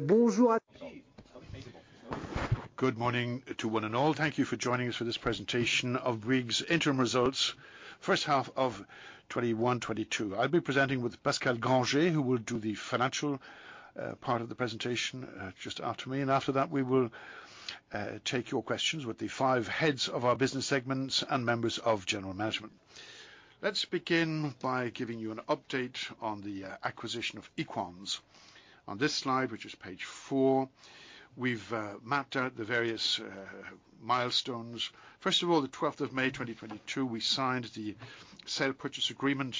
Bonjour. Good morning to one and all. Thank you for joining us for this presentation of Bouygues' Interim Results, First Half of 2021-2022. I'll be presenting with Pascal Grangé, who will do the financial part of the presentation just after me. After that, we will take your questions with the five heads of our business segments and members of general management. Let's begin by giving you an update on the acquisition of Equans. On this slide, which is page four, we've mapped out the various milestones. First of all, the May 12th, 2022, we signed the sale purchase agreement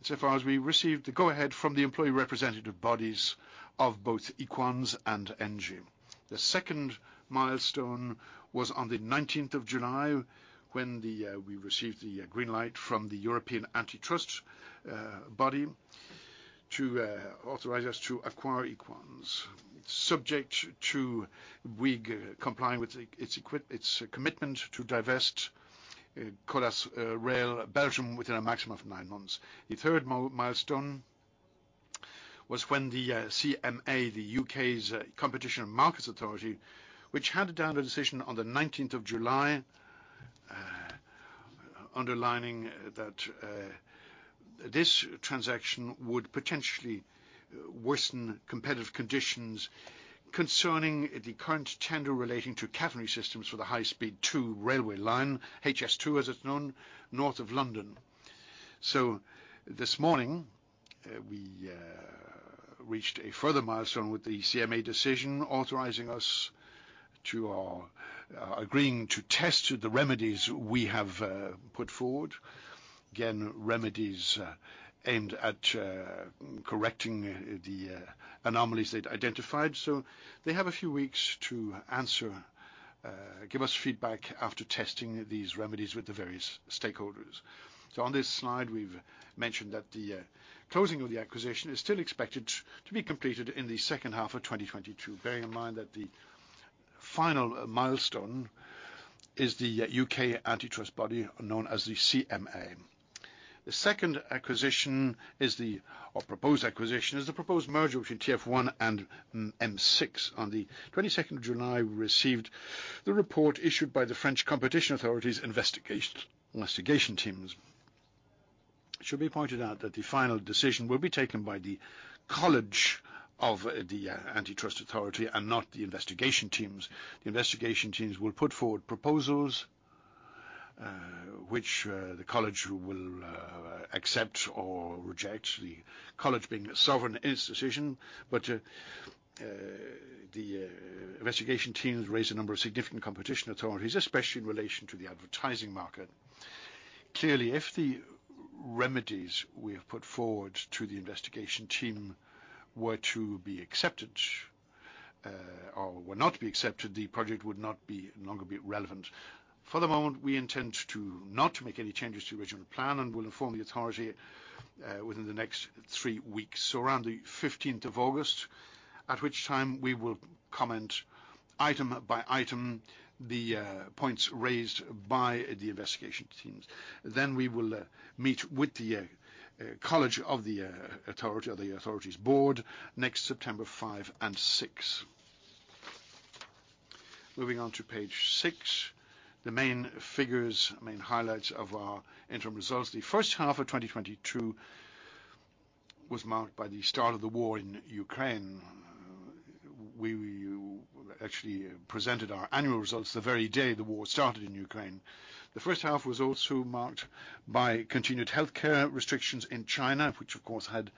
insofar as we received the go-ahead from the employee representative bodies of both Equans and Engie. The second milestone was on the July 19th, when we received the green light from the European Commission to authorize us to acquire Equans, subject to Bouygues complying with its commitment to divest Colas Rail Belgium within a maximum of nine months. The third milestone was when the CMA, the UK's Competition and Markets Authority, handed down a decision on the July 19th, underlining that this transaction would potentially worsen competitive conditions concerning the current tender relating to catenary systems for the High Speed 2 railway line, HS2, as it's known, north of London. This morning we reached a further milestone with the CMA decision, authorizing us, or agreeing to test the remedies we have put forward. Again, remedies aimed at correcting the anomalies they'd identified. They have a few weeks to answer, give us feedback after testing these remedies with the various stakeholders. On this slide, we've mentioned that the closing of the acquisition is still expected to be completed in the second half of 2022, bearing in mind that the final milestone is the U.K. Antitrust body, known as the CMA. The second acquisition, or proposed acquisition, is the proposed merger between TF1 and M6. On the July 22nd, we received the report issued by the Autorité de la concurrence's investigation teams. It should be pointed out that the final decision will be taken by the Collège of the Autorité de la concurrence and not the investigation teams. The investigation teams will put forward proposals which the College will accept or reject, the College being a sovereign institution. The investigation teams raised a number of significant competition concerns, especially in relation to the advertising market. Clearly, if the remedies we have put forward to the investigation team were to be accepted, or were not to be accepted, the project would no longer be relevant. For the moment, we intend to not make any changes to the original plan and will inform the authority within the next three weeks, so around the August 15th, at which time we will comment item by item the points raised by the investigation teams. We will meet with the College of the authority's board next September five and six. Moving on to page six, the main figures, main highlights of our interim results. The first half of 2022 was marked by the start of the war in Ukraine. We actually presented our annual results the very day the war started in Ukraine. The first half was also marked by continued healthcare restrictions in China, which, of course, had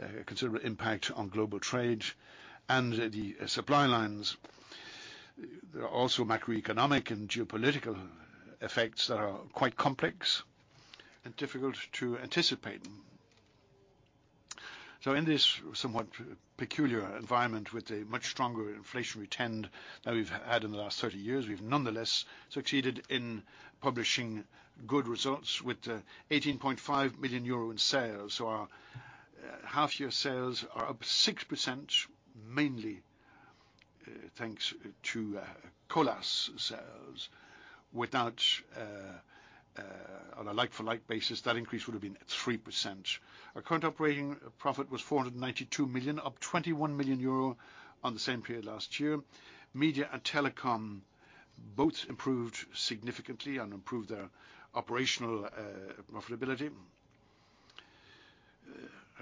a considerable impact on global trade and the supply lines. There are also macroeconomic and geopolitical effects that are quite complex and difficult to anticipate. In this somewhat peculiar environment, with a much stronger inflationary trend than we've had in the last 30 years, we've nonetheless succeeded in publishing good results with 18.5 million euro in sales. Our half-year sales are up 6%, mainly thanks to Colas sales. On a like-for-like basis, that increase would have been at 3%. Our current operating profit was 492 million, up 21 million euro on the same period last year. Media and telecom both improved significantly and improved their operational profitability.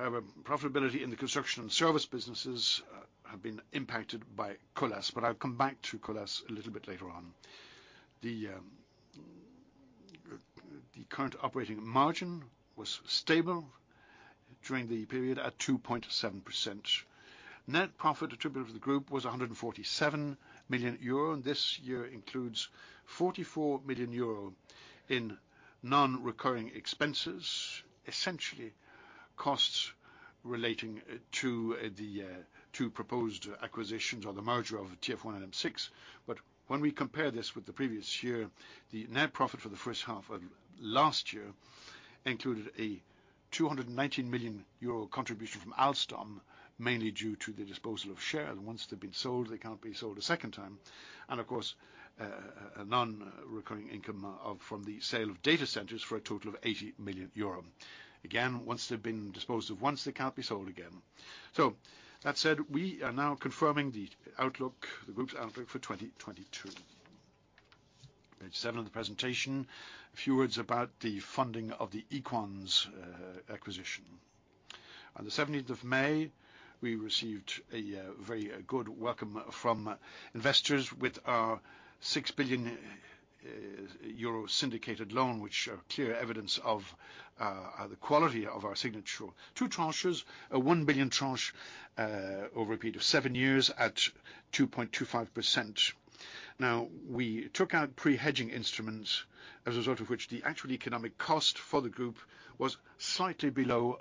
However, profitability in the construction and service businesses have been impacted by Colas, but I'll come back to Colas a little bit later on. The current operating margin was stable during the period at 2.7%. Net profit attributable to the group was 147 million euro. This year includes 44 million euro in non-recurring expenses, essentially costs relating to the proposed acquisitions or the merger of TF1 and M6. When we compare this with the previous year, the net profit for the first half of last year included a 219 million euro contribution from Alstom, mainly due to the disposal of shares. Once they've been sold, they can't be sold a second time. Of course, a non-recurring income from the sale of data centers for a total of 80 million euro. Again, once they've been disposed of once, they can't be sold again. That said, we are now confirming the outlook, the group's outlook for 2022. Page seven of the presentation, a few words about the funding of the Equans acquisition. On the May 17th, we received a very good welcome from investors with our 6 billion euro syndicated loan, which are clear evidence of the quality of our signature. Two tranches, a 1 billion tranche, over a period of seven years at 2.25%. We took out pre-hedging instruments, as a result of which, the actual economic cost for the group was slightly below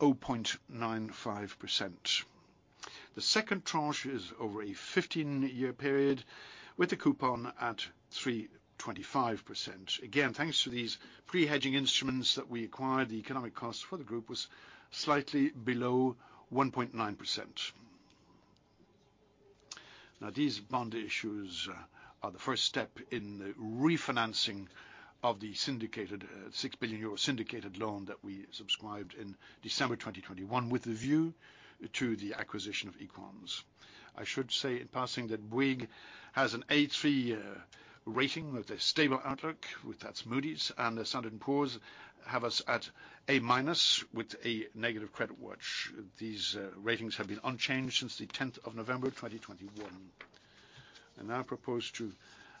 0.95%. The second tranche is over a 15-year period with a coupon at 3.25%. Thanks to these pre-hedging instruments that we acquired, the economic cost for the group was slightly below 1.9%. These bond issues are the first step in refinancing of the syndicated, six billion euro syndicated loan that we subscribed in December 2021, with a view to the acquisition of Equans. I should say in passing that Bouygues has an A3 rating with a stable outlook, that's Moody's, and Standard & Poor's have us at A- with a negative credit watch. These ratings have been unchanged since the November 10th, 2021. I now propose to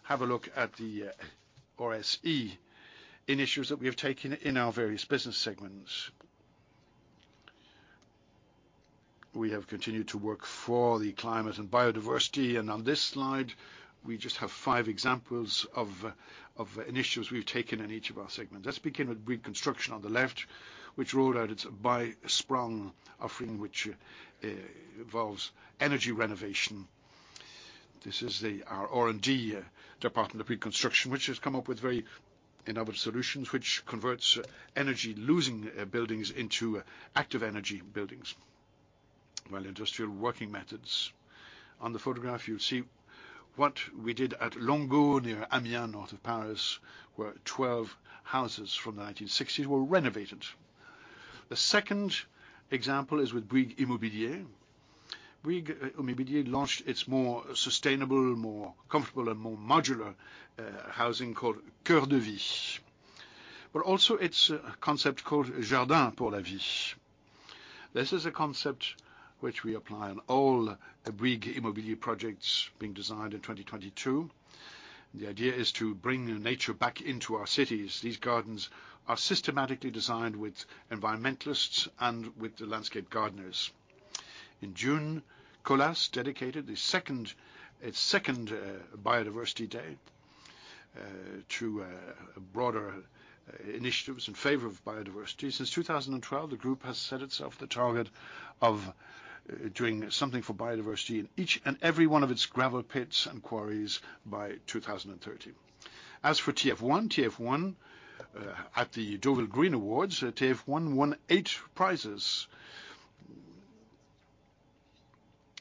have a look at the RSE initiatives that we have taken in our various business segments. We have continued to work for the climate and biodiversity. On this slide, we just have five examples of initiatives we've taken in each of our segments. Let's begin with Bouygues Construction on the left, which rolled out its BYSprong offering, which involves energy renovation. This is our R&D department of Bouygues Construction, which has come up with very innovative solutions, which converts energy-losing buildings into active energy buildings. While industrial working methods. On the photograph, you'll see what we did at Longueau, near Amiens, north of Paris, where 12 houses from the 1960s were renovated. The second example is with Bouygues Immobilier. Bouygues Immobilier launched its more sustainable, more comfortable, and more modular housing called Coeur de Vie. Also its concept called Jardin pour la Vie. This is a concept which we apply on all Bouygues Immobilier projects being designed in 2022. The idea is to bring nature back into our cities. These gardens are systematically designed with environmentalists and with the landscape gardeners. In June, Colas dedicated a second biodiversity day to broader initiatives in favor of biodiversity. Since 2012, the group has set itself the target of doing something for biodiversity in each and every one of its gravel pits and quarries by 2030. As for TF1, at the Deauville Green Awards, TF1 won eight prizes.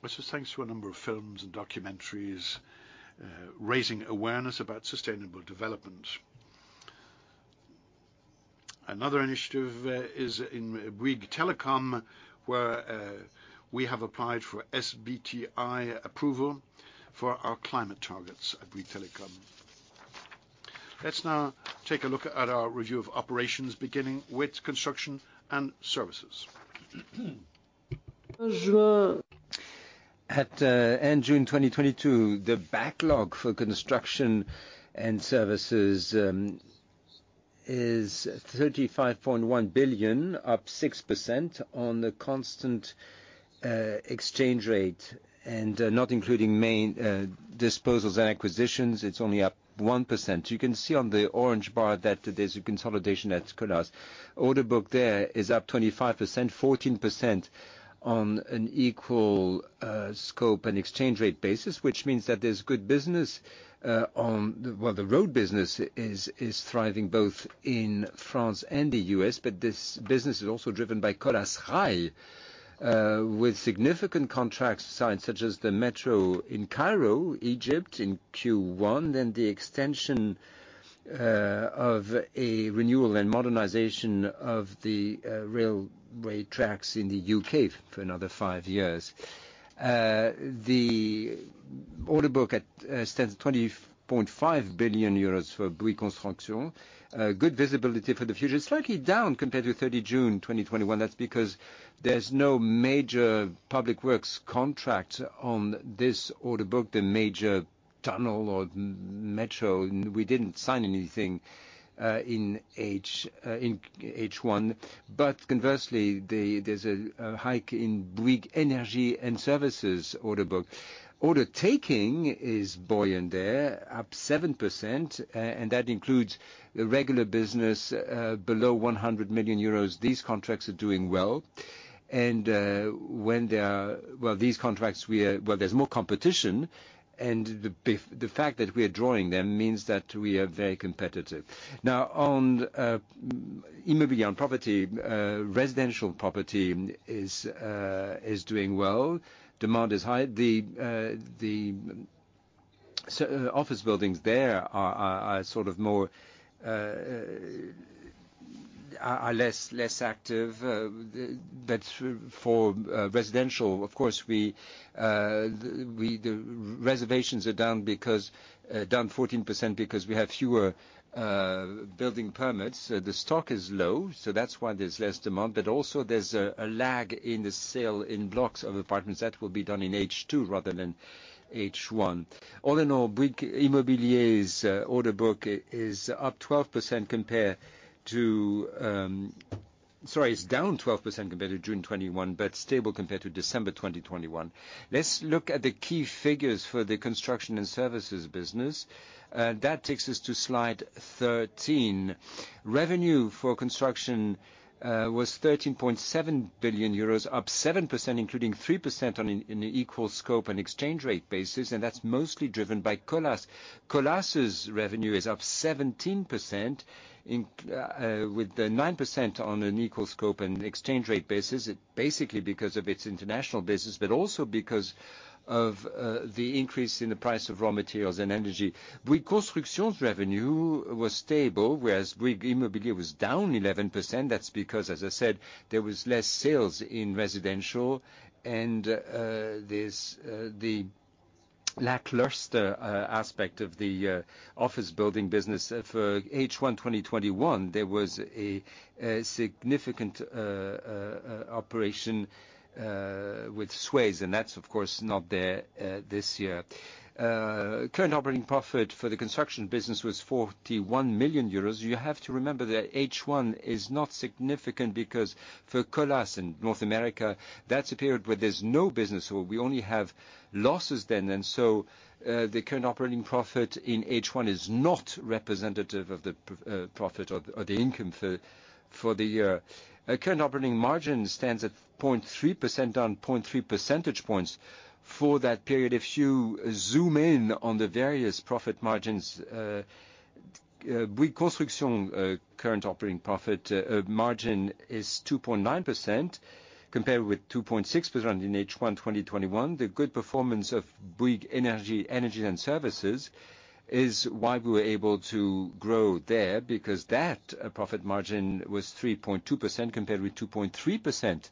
This was thanks to a number of films and documentaries raising awareness about sustainable development. Another initiative is in Bouygues Telecom, where we have applied for SBTI approval for our climate targets at Bouygues Telecom. Let's now take a look at our review of operations, beginning with construction and services. At end June 2022, the backlog for construction and services is 35.1 billion, up 6% on the constant exchange rate. Not including main disposals and acquisitions, it's only up 1%. You can see on the orange bar that there's a consolidation at Colas. Order book there is up 25%, 14% on an equal scope and exchange rate basis, which means that there's good business. Well, the road business is thriving both in France and the U.S., but this business is also driven by Colas Rail, with significant contracts signed, such as the metro in Cairo, Egypt in Q1, then the extension of a renewal and modernization of the railway tracks in the U.K. for another five years. The order book stands at 20.5 billion euros for Bouygues Construction. Good visibility for the future. It's slightly down compared to June 30, 2021. That's because there's no major public works contract on this order book, the major tunnel or metro. We didn't sign anything in H1. Conversely, there's a hike in Bouygues Energies & Services order book. Order taking is buoyant there, up 7%, and that includes regular business below 100 million euros. These contracts are doing well. When there are these contracts we are drawing, there's more competition, and the bid, the fact that we are drawing them means that we are very competitive. Now, on Bouygues Immobilier and property, residential property is doing well. Demand is high. The office buildings there are sort of more or less active, but for residential, of course, the reservations are down 14% because we have fewer building permits. The stock is low, so that's why there's less demand. But also there's a lag in the sale in blocks of apartments. That will be done in H2 rather than H1. All in all, Bouygues Immobilier's order book is up 12% compared to... Sorry, it's down 12% compared to June 2021, but stable compared to December 2021. Let's look at the key figures for the construction and services business. That takes us to slide 13. Revenue for construction was 13.7 billion euros, up 7% including 3% in an equal scope and exchange rate basis, and that's mostly driven by Colas. Colas' revenue is up 17% with the 9% on an equal scope and exchange rate basis. It basically because of its international business but also because of the increase in the price of raw materials and energy. Bouygues Construction's revenue was stable, whereas Bouygues Immobilier was down 11%. That's because, as I said, there was less sales in residential and there's the lackluster aspect of the office building business. For H1 2021, there was a significant operation with Swayze, and that's of course not there this year. Current operating profit for the construction business was 41 million euros. You have to remember that H1 is not significant because for Colas in North America, that's a period where there's no business or we only have losses then. The current operating profit in H1 is not representative of the profit or the income for the year. Our current operating margin stands at 0.3%, down 0.3 percentage points for that period. If you zoom in on the various profit margins, Bouygues Construction current operating profit margin is 2.9% compared with 2.6% in H1 2021. The good performance of Bouygues Energies & Services is why we were able to grow there because that profit margin was 3.2% compared with 2.3%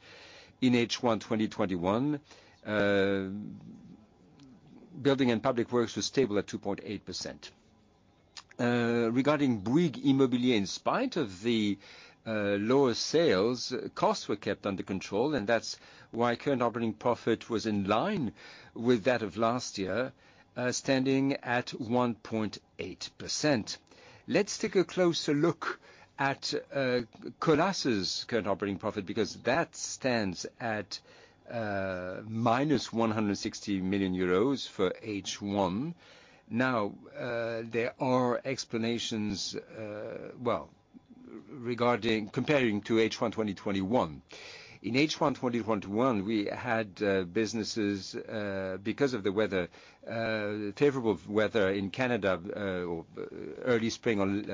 in H1 2021. Building and public works was stable at 2.8%. Regarding Bouygues Immobilier, in spite of the lower sales, costs were kept under control, and that's why current operating profit was in line with that of last year, standing at 1.8%. Let's take a closer look at Colas' current operating profit because that stands at -160 million euros for H1. Now, there are explanations, well, regarding comparing to H1 2021. In H1 2021, we had businesses because of the weather, favorable weather in Canada, or early spring on,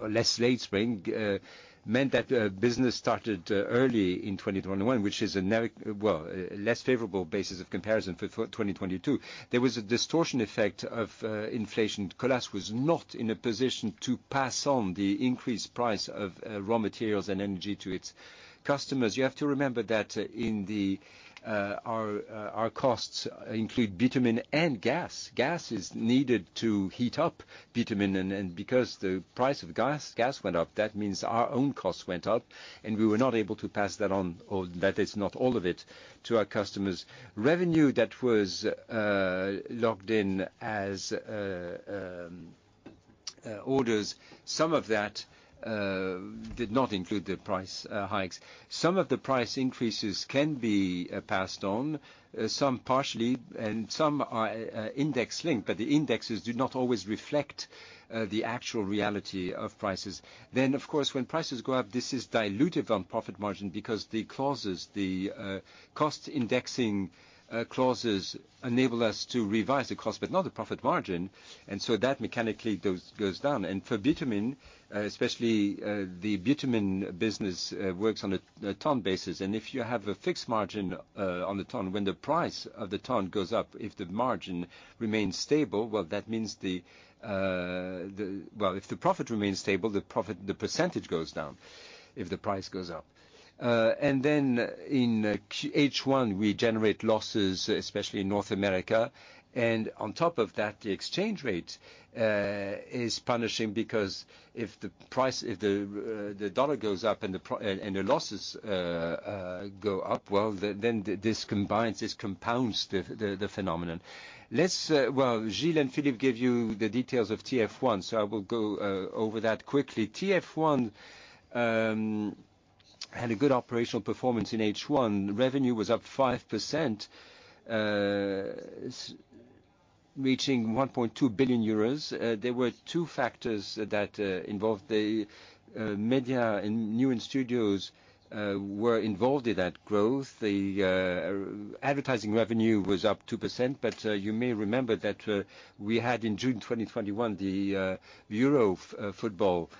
or less late spring, meant that business started early in 2021, which is well, a less favorable basis of comparison for 2022. There was a distortion effect of inflation. Colas was not in a position to pass on the increased price of raw materials and energy to its customers. You have to remember that our costs include bitumen and gas. Gas is needed to heat up bitumen, and because the price of gas went up, that means our own costs went up, and we were not able to pass that on, or that is not all of it, to our customers. Revenue that was logged in as orders, some of that did not include the price hikes. Some of the price increases can be passed on, some partially, and some are index-linked, but the indexes do not always reflect the actual reality of prices. Of course, when prices go up, this is diluted on profit margin because the cost indexing clauses enable us to revise the cost but not the profit margin. That mechanically goes down. For bitumen, especially, the bitumen business works on a ton basis, and if you have a fixed margin on the ton, when the price of the ton goes up, if the margin remains stable, that means the if the profit remains stable, the percentage goes down if the price goes up. In Q1, we generate losses, especially in North America. On top of that, the exchange rate is punishing because if the dollar goes up and the profits and losses go up, well, then this compounds the phenomenon. Well, Gilles and Philippe give you the details of TF1, so I will go over that quickly. TF1 had a good operational performance in H1. Revenue was up 5%, reaching 1.2 billion euros. There were two factors that involved the media and Newen Studios were involved in that growth. The advertising revenue was up 2%, but you may remember that we had in June 2021, the Euro Football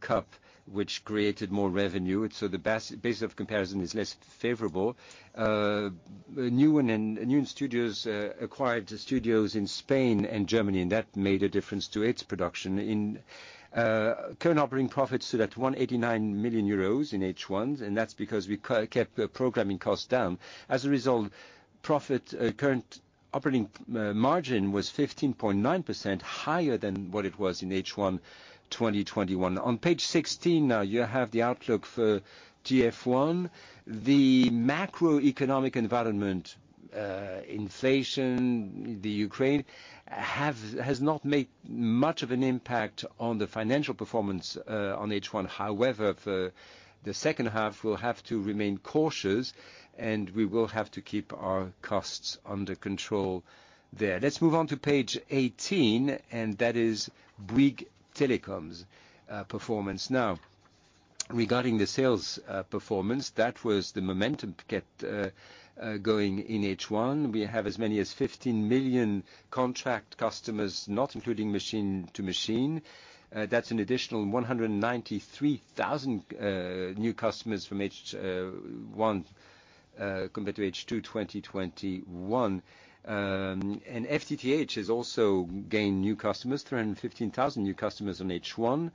Cup, which created more revenue, and so the basis of comparison is less favorable. Newen and Newen Studios acquired studios in Spain and Germany, and that made a difference to its production. In H1, current operating profits stood at 189 million euros, and that's because we kept the programming costs down. As a result, current operating profit margin was 15.9% higher than what it was in H1 2021. On page 16 now, you have the outlook for TF1. The macroeconomic environment, inflation, Ukraine has not made much of an impact on the financial performance on H1. However, for the second half, we'll have to remain cautious, and we will have to keep our costs under control there. Let's move on to page 18, and that is Bouygues Telecom's performance. Now, regarding the sales performance, that was the momentum kept going in H1. We have as many as 15 million contract customers, not including machine to machine. That's an additional 193,000 new customers from H1 compared to H2 2021. FTTH has also gained new customers, 315,000 new customers in H1,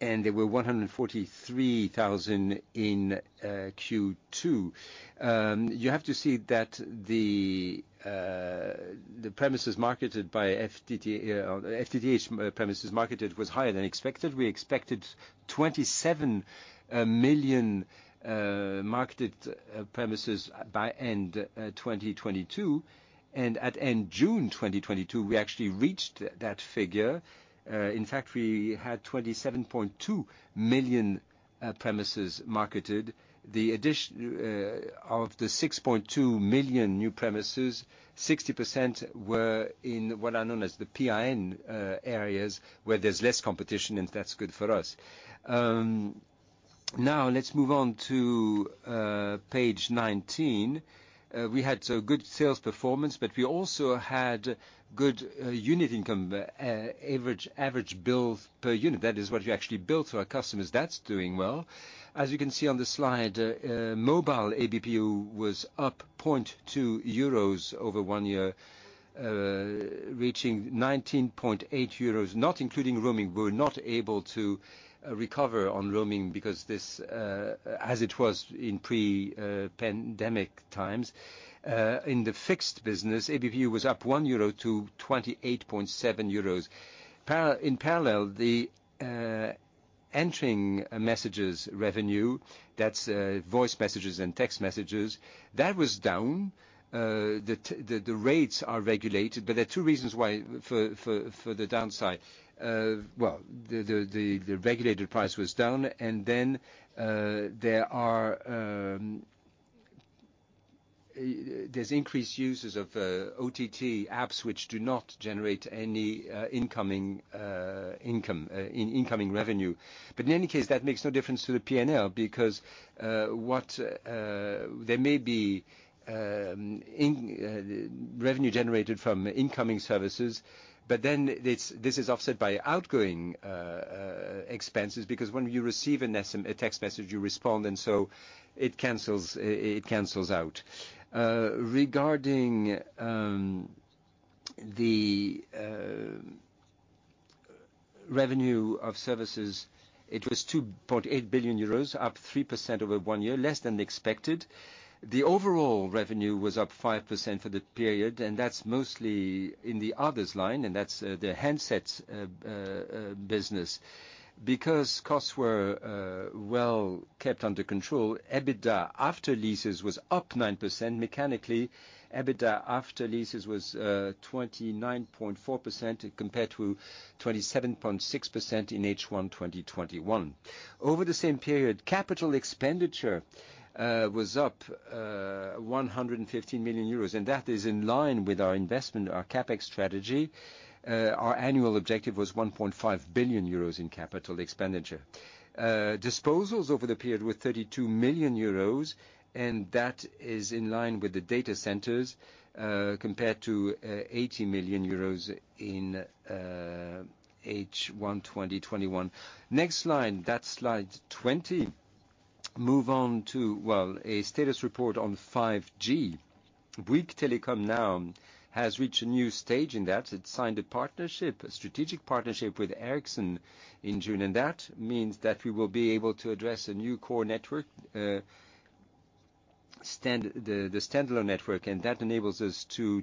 and there were 143,000 in Q2. You have to see that the FTTH premises marketed was higher than expected. We expected 27 million marketed premises by end 2022, and at end June 2022, we actually reached that figure. In fact, we had 27.2 million premises marketed. The addition of the 6.2 million new premises, 60% were in what are known as the RIP areas where there's less competition, and that's good for us. Now let's move on to page 19. We had a good sales performance, but we also had good unit income, average bill per unit. That is what we actually bill to our customers. That's doing well. As you can see on the slide, mobile ABPU was up 0.2 euros over one year, reaching 19.8 euros, not including roaming. We're not able to recover on roaming because it's as it was in pre-pandemic times. In the fixed business, ABPU was up 1 euro to 28.7 euros. In parallel, the incoming messages revenue, that's voice messages and text messages, that was down. The rates are regulated, but there are two reasons for the downside. Well, the regulated price was down, and then there are increased users of OTT apps which do not generate any incoming revenue. But in any case, that makes no difference to the P&L because there may be revenue generated from incoming services, but then this is offset by outgoing expenses. Because when you receive a text message, you respond, and so it cancels out. Regarding the revenue of services, it was 2.8 billion euros, up 3% over one year, less than expected. The overall revenue was up 5% for the period, and that's mostly in the others line, and that's the handsets business. Because costs were well kept under control, EBITDA after leases was up 9%. Mechanically, EBITDA after leases was 29.4% compared to 27.6% in H1 2021. Over the same period, capital expenditure was up 115 million euros, and that is in line with our investment, our CapEx strategy. Our annual objective was 1.5 billion euros in capital expenditure. Disposals over the period were 32 million euros, and that is in line with the data centers compared to 80 million euros in H1 2021. Next slide. That's slide 20. Move on to, well, a status report on 5G. Bouygues Telecom now has reached a new stage in that it signed a partnership, a strategic partnership with Ericsson in June, and that means that we will be able to address a new core network, the standalone network. That enables us to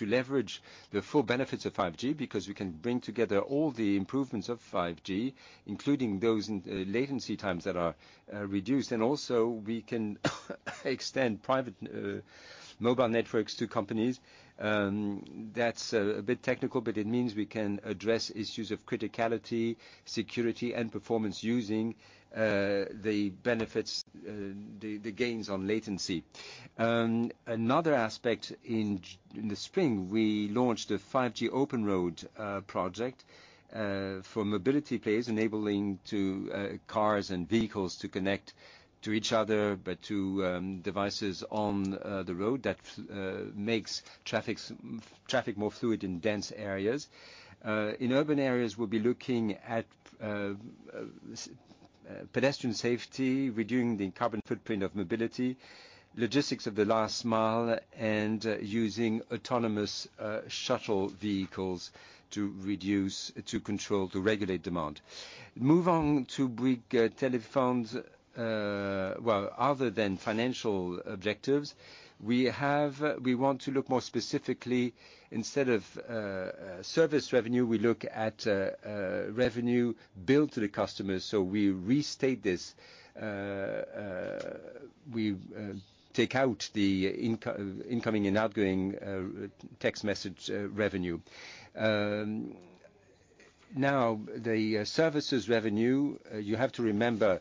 leverage the full benefits of 5G, because we can bring together all the improvements of 5G, including those in latency times that are reduced. We can extend private mobile networks to companies. That's a bit technical, but it means we can address issues of criticality, security, and performance using the benefits, the gains on latency. Another aspect in the spring, we launched a 5G Open Road project for mobility players enabling to cars and vehicles to connect to each other, but to devices on the road. That makes traffic more fluid in dense areas. In urban areas, we'll be looking at pedestrian safety, reducing the carbon footprint of mobility, logistics of the last mile, and using autonomous shuttle vehicles to reduce, to control, to regulate demand. Move on to Bouygues Telecom's. Well, other than financial objectives, we want to look more specifically, instead of service revenue, we look at revenue billed to the customer. We restate this. We take out the incoming and outgoing text message revenue. Now, the services revenue, you have to remember,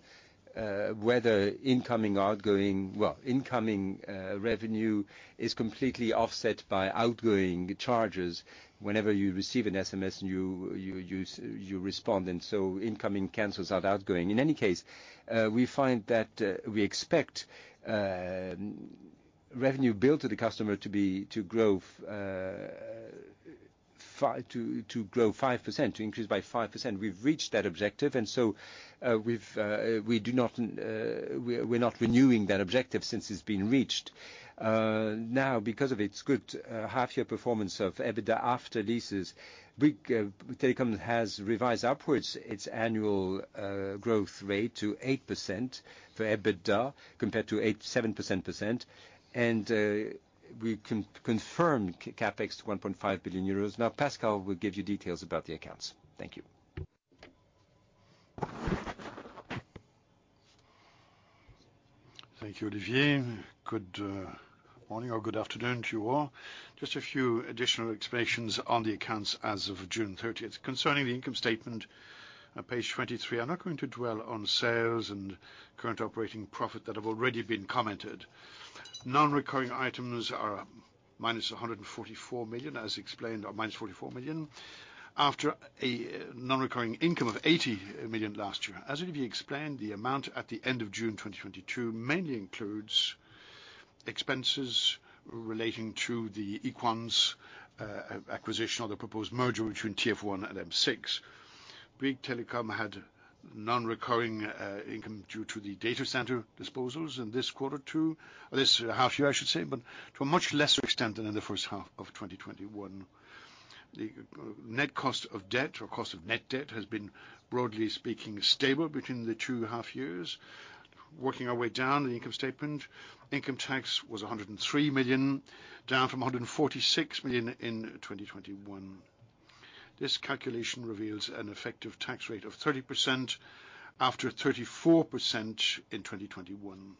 whether incoming, outgoing. Well, incoming revenue is completely offset by outgoing charges. Whenever you receive an SMS and you respond, and so incoming cancels out outgoing. In any case, we find that we expect revenue billed to the customer to grow 5%, to increase by 5%. We've reached that objective, and so we're not renewing that objective since it's been reached. Now, because of its good half-year performance of EBITDA after leases, Bouygues Telecom has revised upwards its annual growth rate to 8% for EBITDA compared to 7%, and we confirmed CapEx to 1.5 billion euros. Now, Pascal will give you details about the accounts. Thank you. Thank you, Olivier. Good morning or good afternoon to you all. Just a few additional explanations on the accounts as of June 30. Concerning the income statement on page 23, I'm not going to dwell on sales and current operating profit that have already been commented. Non-recurring items are -144 million, as explained, or -44 million, after a non-recurring income of 80 million last year. As Olivier explained, the amount at the end of June 2022 mainly includes expenses relating to the Equans acquisition or the proposed merger between TF1 and M6. Bouygues Telecom had non-recurring income due to the data center disposals in this quarter, too. This half year, I should say, but to a much lesser extent than in the first half of 2021. The net cost of debt or cost of net debt has been, broadly speaking, stable between the two half years. Working our way down the income statement, income tax was 103 million, down from 146 million in 2021. This calculation reveals an effective tax rate of 30% after 34% in 2021.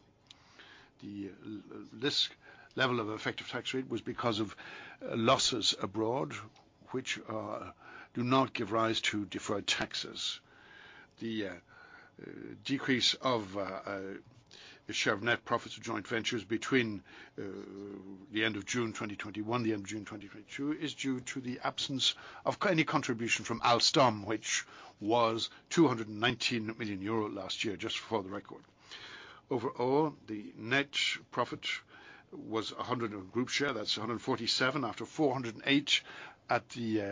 This level of effective tax rate was because of losses abroad, which do not give rise to deferred taxes. The decrease of the share of net profits to joint ventures between the end of June 2021 and the end of June 2022 is due to the absence of any contribution from Alstom, which was 219 million euro last year, just for the record. Overall, the net profit was 100 million of group share. That's 147 after 408 at the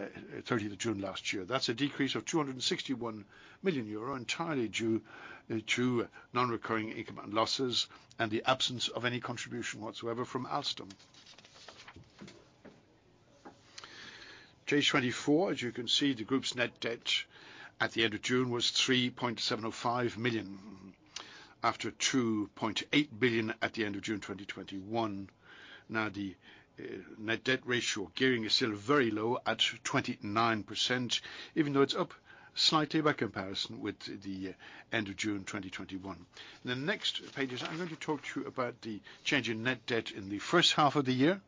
June third last year. That's a decrease of 261 million euro, entirely due to non-recurring income and losses and the absence of any contribution whatsoever from Alstom. Page 24, as you can see, the group's net debt at the end of June was 3.705 billion, after 2.8 billion at the end of June 2021. Now, the net debt ratio gearing is still very low at 29%, even though it's up slightly by comparison with the end of June 2021. The next pages, I'm going to talk to you about the change in net debt in the first half of the year,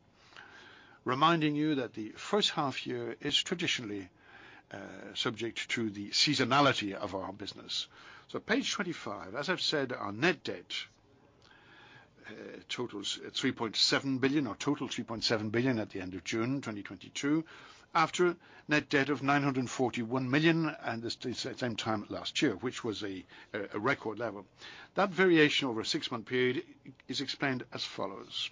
reminding you that the first half year is traditionally subject to the seasonality of our business. Page 25, as I've said, our net debt totals 3.7 billion at the end of June 2022, after net debt of 941 million at the same time last year, which was a record level. That variation over a six-month period is explained as follows.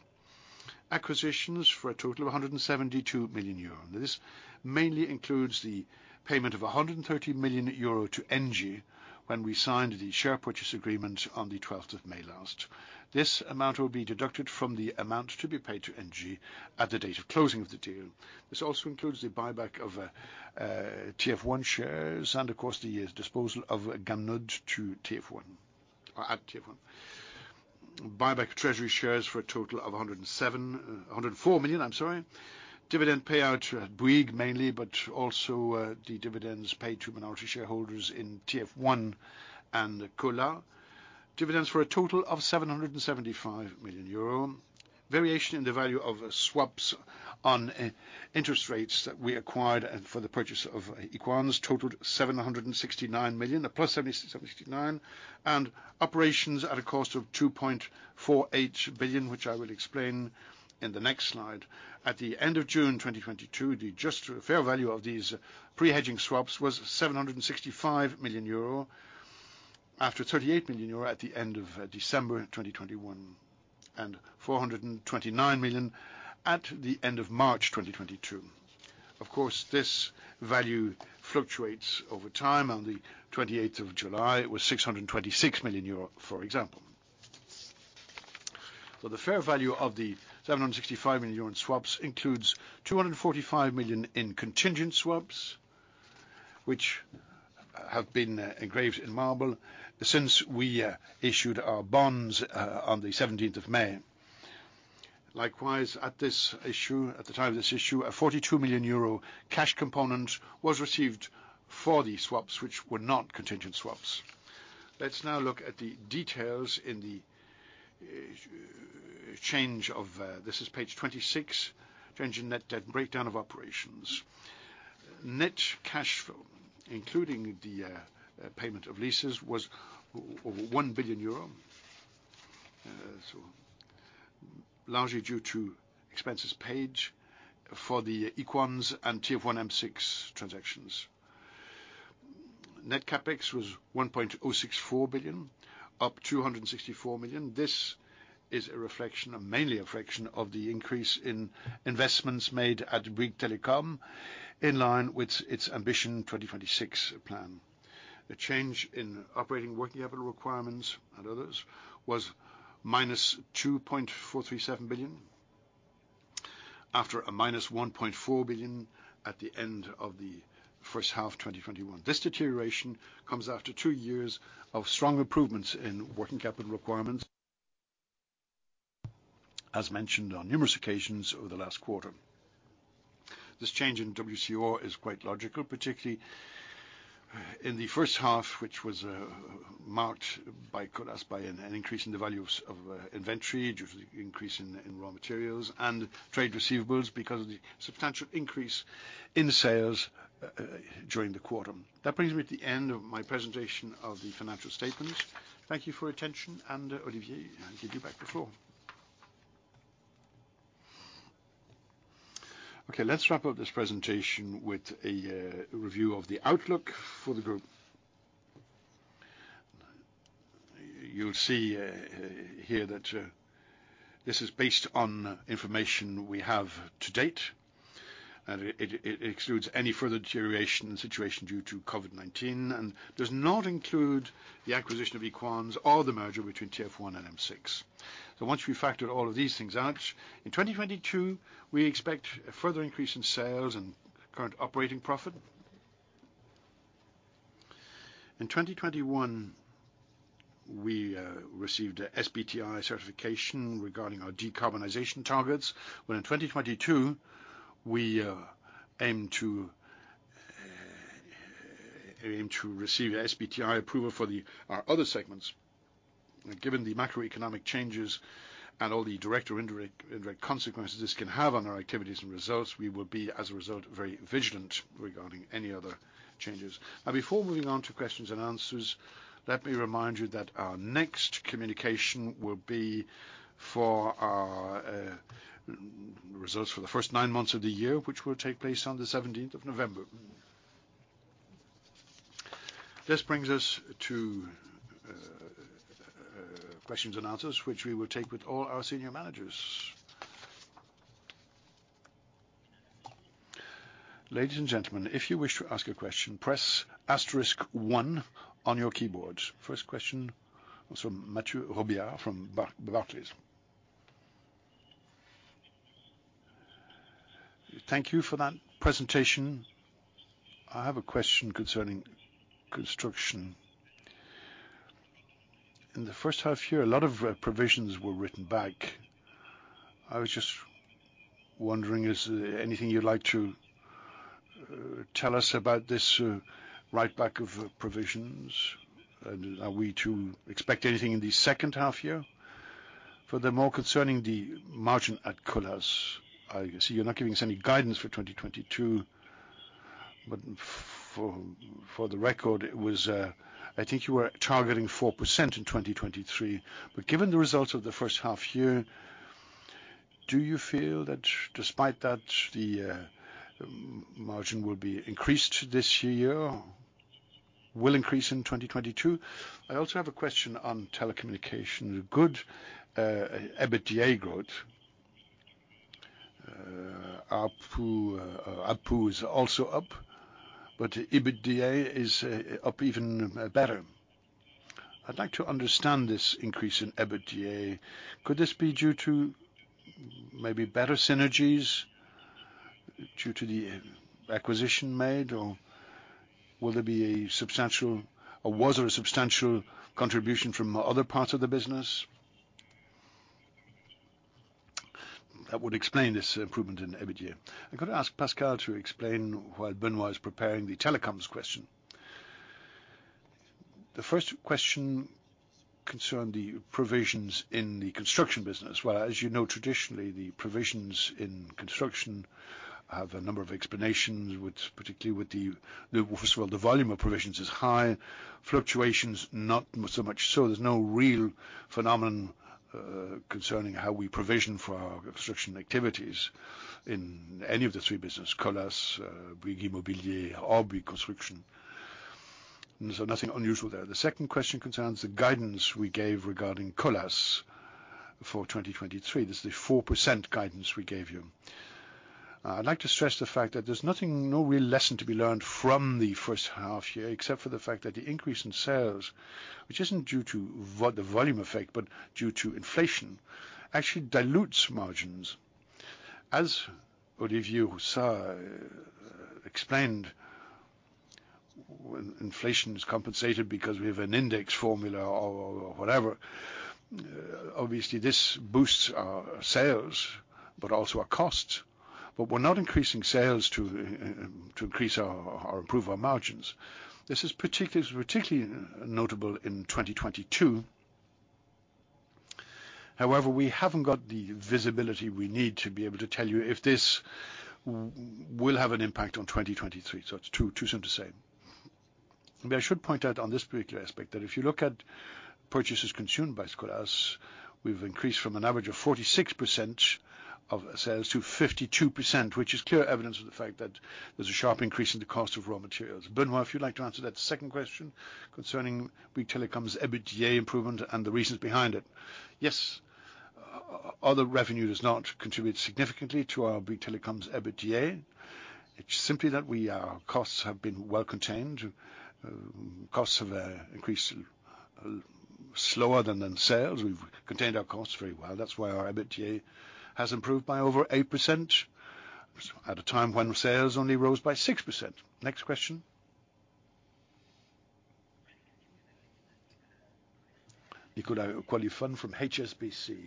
Acquisitions for a total of 172 million euro. This mainly includes the payment of 130 million euro to Engie when we signed the share purchase agreement on the May 12th last. This amount will be deducted from the amount to be paid to Engie at the date of closing of the deal. This also includes the buyback of TF1 shares and of course, the disposal of Gamned! to TF1 or at TF1. Buyback treasury shares for a total of 104 million, I'm sorry. Dividend payout, Bouygues mainly, but also the dividends paid to minority shareholders in TF1 and Colas. Dividends for a total of 775 million euro. Variation in the value of swaps on interest rates that we acquired and for the purchase of Equans totaled 769 million, a +79. Operations at a cost of 2.48 billion, which I will explain in the next slide. At the end of June 2022, the just fair value of these pre-hedging swaps was 765 million euro, after 38 million euro at the end of December 2021, and 429 million at the end of March 2022. Of course, this value fluctuates over time. On the July 28th, it was 626 million euro, for example. The fair value of the 765 million euro in swaps includes 245 million in contingent swaps, which have been engraved in marble since we issued our bonds on the seventeenth of May. Likewise, at this issue, at the time of this issue, a 42 million euro cash component was received for the swaps, which were not contingent swaps. Let's now look at the details in the change of. This is page 26, change in net debt, breakdown of operations. Net cash flow, including the payment of leases, was over 1 billion euro. Largely due to expenses paid for the Equans and TF1, M6 transactions. Net CapEx was 1.064 billion, up 264 million. This is a reflection, mainly a reflection of the increase in investments made at Bouygues Telecom, in line with its Ambition 2026 plan. The change in operating working capital requirements and others was -2.437 billion, after -1.4 billion at the end of the first half 2021. This deterioration comes after two years of strong improvements in working capital requirements, as mentioned on numerous occasions over the last quarter. This change in WCR is quite logical, particularly in the first half, which was marked by Colas by an increase in the value of inventory, due to the increase in raw materials and trade receivables because of the substantial increase in sales during the quarter. That brings me to the end of my presentation of the financial statements. Thank you for your attention, and Olivier, I give you back the floor. Okay, let's wrap up this presentation with a review of the outlook for the group. You'll see here that this is based on information we have to date. It excludes any further deterioration in situation due to COVID-19, and does not include the acquisition of Equans or the merger between TF1 and M6. Once we factor all of these things out, in 2022, we expect a further increase in sales and current operating profit. In 2021, we received a SBTi certification regarding our decarbonization targets. Well, in 2022, we aim to receive SBTi approval for our other segments. Given the macroeconomic changes and all the direct or indirect consequences this can have on our activities and results, we will be, as a result, very vigilant regarding any other changes. Now, before moving on to questions and answers, let me remind you that our next communication will be for our results for the first nine months of the year, which will take place on the seventeenth of November. This brings us to questions and answers, which we will take with all our senior managers. Ladies and gentlemen, if you wish to ask a question, press asterisk one on your keyboards. First question is from Mathieu Robilliard from Barclays. Thank you for that presentation. I have a question concerning construction. In the first half year, a lot of provisions were written back. I was just wondering, is there anything you'd like to tell us about this writeback of provisions? Are we to expect anything in the second half year? Furthermore, concerning the margin at Colas, I see you're not giving us any guidance for 2022, but for the record, it was, I think you were targeting 4% in 2023. Given the results of the first half year, do you feel that despite that, the margin will be increased this year or will increase in 2022? I also have a question on telecom. Good EBITDA growth. ARPU is also up, but EBITDA is up even better. I'd like to understand this increase in EBITDA. Could this be due to maybe better synergies due to the acquisition made, or will there be a substantial Was there a substantial contribution from other parts of the business? That would explain this improvement in EBITDA. I'm gonna ask Pascal to explain while Benoît is preparing the telecoms question. The first question concerned the provisions in the construction business. Well, as you know, traditionally, the provisions in construction have a number of explanations, with particularly with the first of all, the volume of provisions is high. Fluctuations, not so much so. There's no real phenomenon concerning how we provision for our construction activities in any of the three businesses, Colas, Bouygues Immobilier or Bouygues Construction. Nothing unusual there. The second question concerns the guidance we gave regarding Colas for 2023. This is the 4% guidance we gave you. I'd like to stress the fact that there's nothing, no real lesson to be learned from the first half year, except for the fact that the increase in sales, which isn't due to the volume effect, but due to inflation, actually dilutes margins. As Olivier Roussat explained, when inflation is compensated because we have an index formula or whatever, obviously this boosts our sales but also our costs. We're not increasing sales to increase our or improve our margins. This is particularly notable in 2022. However, we haven't got the visibility we need to be able to tell you if this will have an impact on 2023, so it's too soon to say. I should point out on this particular aspect, that if you look at purchases consumed by Colas, we've increased from an average of 46% of sales to 52%, which is clear evidence of the fact that there's a sharp increase in the cost of raw materials. Benoît, if you'd like to answer that second question concerning Bouygues Telecom's EBITDA improvement and the reasons behind it. Yes. Other revenue does not contribute significantly to our Bouygues Telecom's EBITDA. It's simply that we, our costs have been well contained. Costs have increased slower than sales. We've contained our costs very well. That's why our EBITDA has improved by over 8% at a time when sales only rose by 6%. Next question. Nicolas Cote-Colisson from HSBC.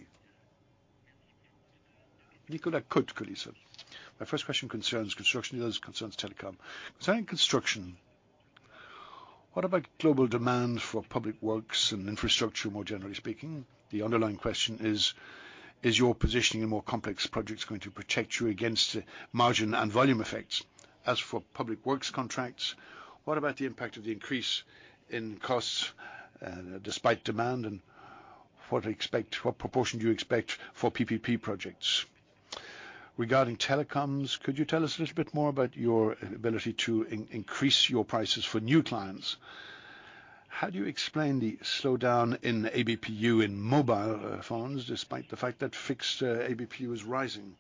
My first question concerns construction, the other concerns telecom. Concerning construction, what about global demand for public works and infrastructure, more generally speaking? The underlying question is your positioning in more complex projects going to protect you against the margin and volume effects? As for public works contracts, what about the impact of the increase in costs, despite demand, and what to expect, what proportion do you expect for PPP projects? Regarding telecoms, could you tell us a little bit more about your ability to increase your prices for new clients? How do you explain the slowdown in ABPU in mobile phones, despite the fact that fixed ABPU is rising?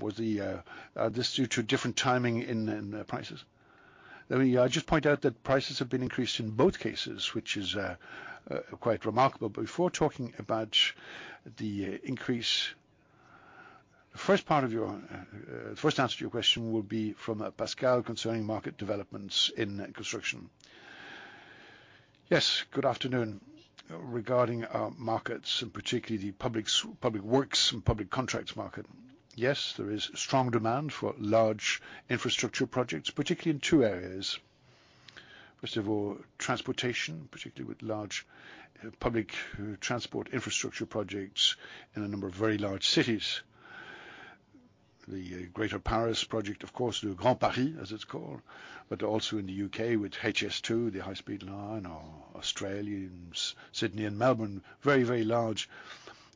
Was this due to different timing in prices? Let me just point out that prices have been increased in both cases, which is quite remarkable. Before talking about the increase, first part of your The first answer to your question will be from Pascal, concerning market developments in construction. Yes. Good afternoon. Regarding our markets, and particularly the public sector, public works and public contracts market, yes, there is strong demand for large infrastructure projects, particularly in two areas. First of all, transportation, particularly with large public transport infrastructure projects in a number of very large cities. The Greater Paris project of course, the Grand Paris as it's called, but also in the U.K. With HS2, the high speed line, or Australia in Sydney and Melbourne. Very, very large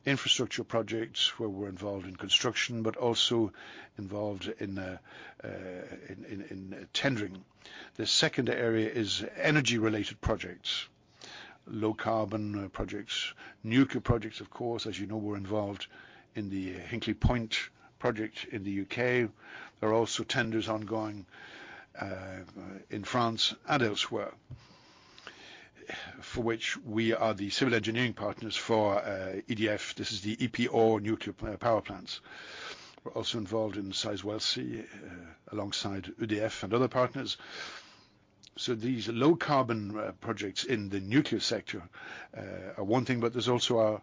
infrastructure projects where we're involved in construction, but also involved in tendering. The second area is energy-related projects, low carbon projects, nuclear projects of course. As you know, we're involved in the Hinkley Point project in the U.K. There are also tenders ongoing in France and elsewhere, for which we are the civil engineering partners for EDF. This is the EPR nuclear power plants. We're also involved in Sizewell C alongside EDF and other partners. These low carbon projects in the nuclear sector are one thing, but there's also our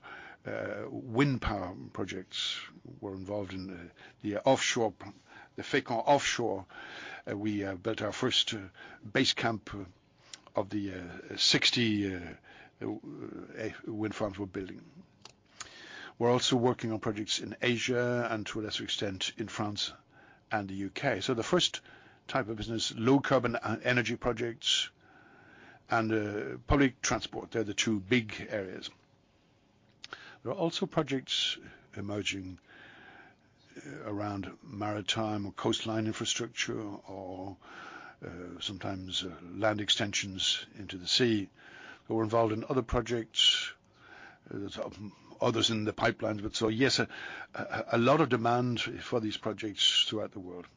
wind power projects. We're involved in the offshore, the Fécamp offshore. We built our first base camp of the 60 wind farms we're building. We're also working on projects in Asia and to a lesser extent, in France and the U.K. The first type of business, low carbon energy projects and public transport. They're the two big areas. There are also projects emerging around maritime coastline infrastructure or sometimes land extensions into the sea. We're involved in other projects. There's others in the pipeline. Yes, a lot of demand for these projects throughout the world.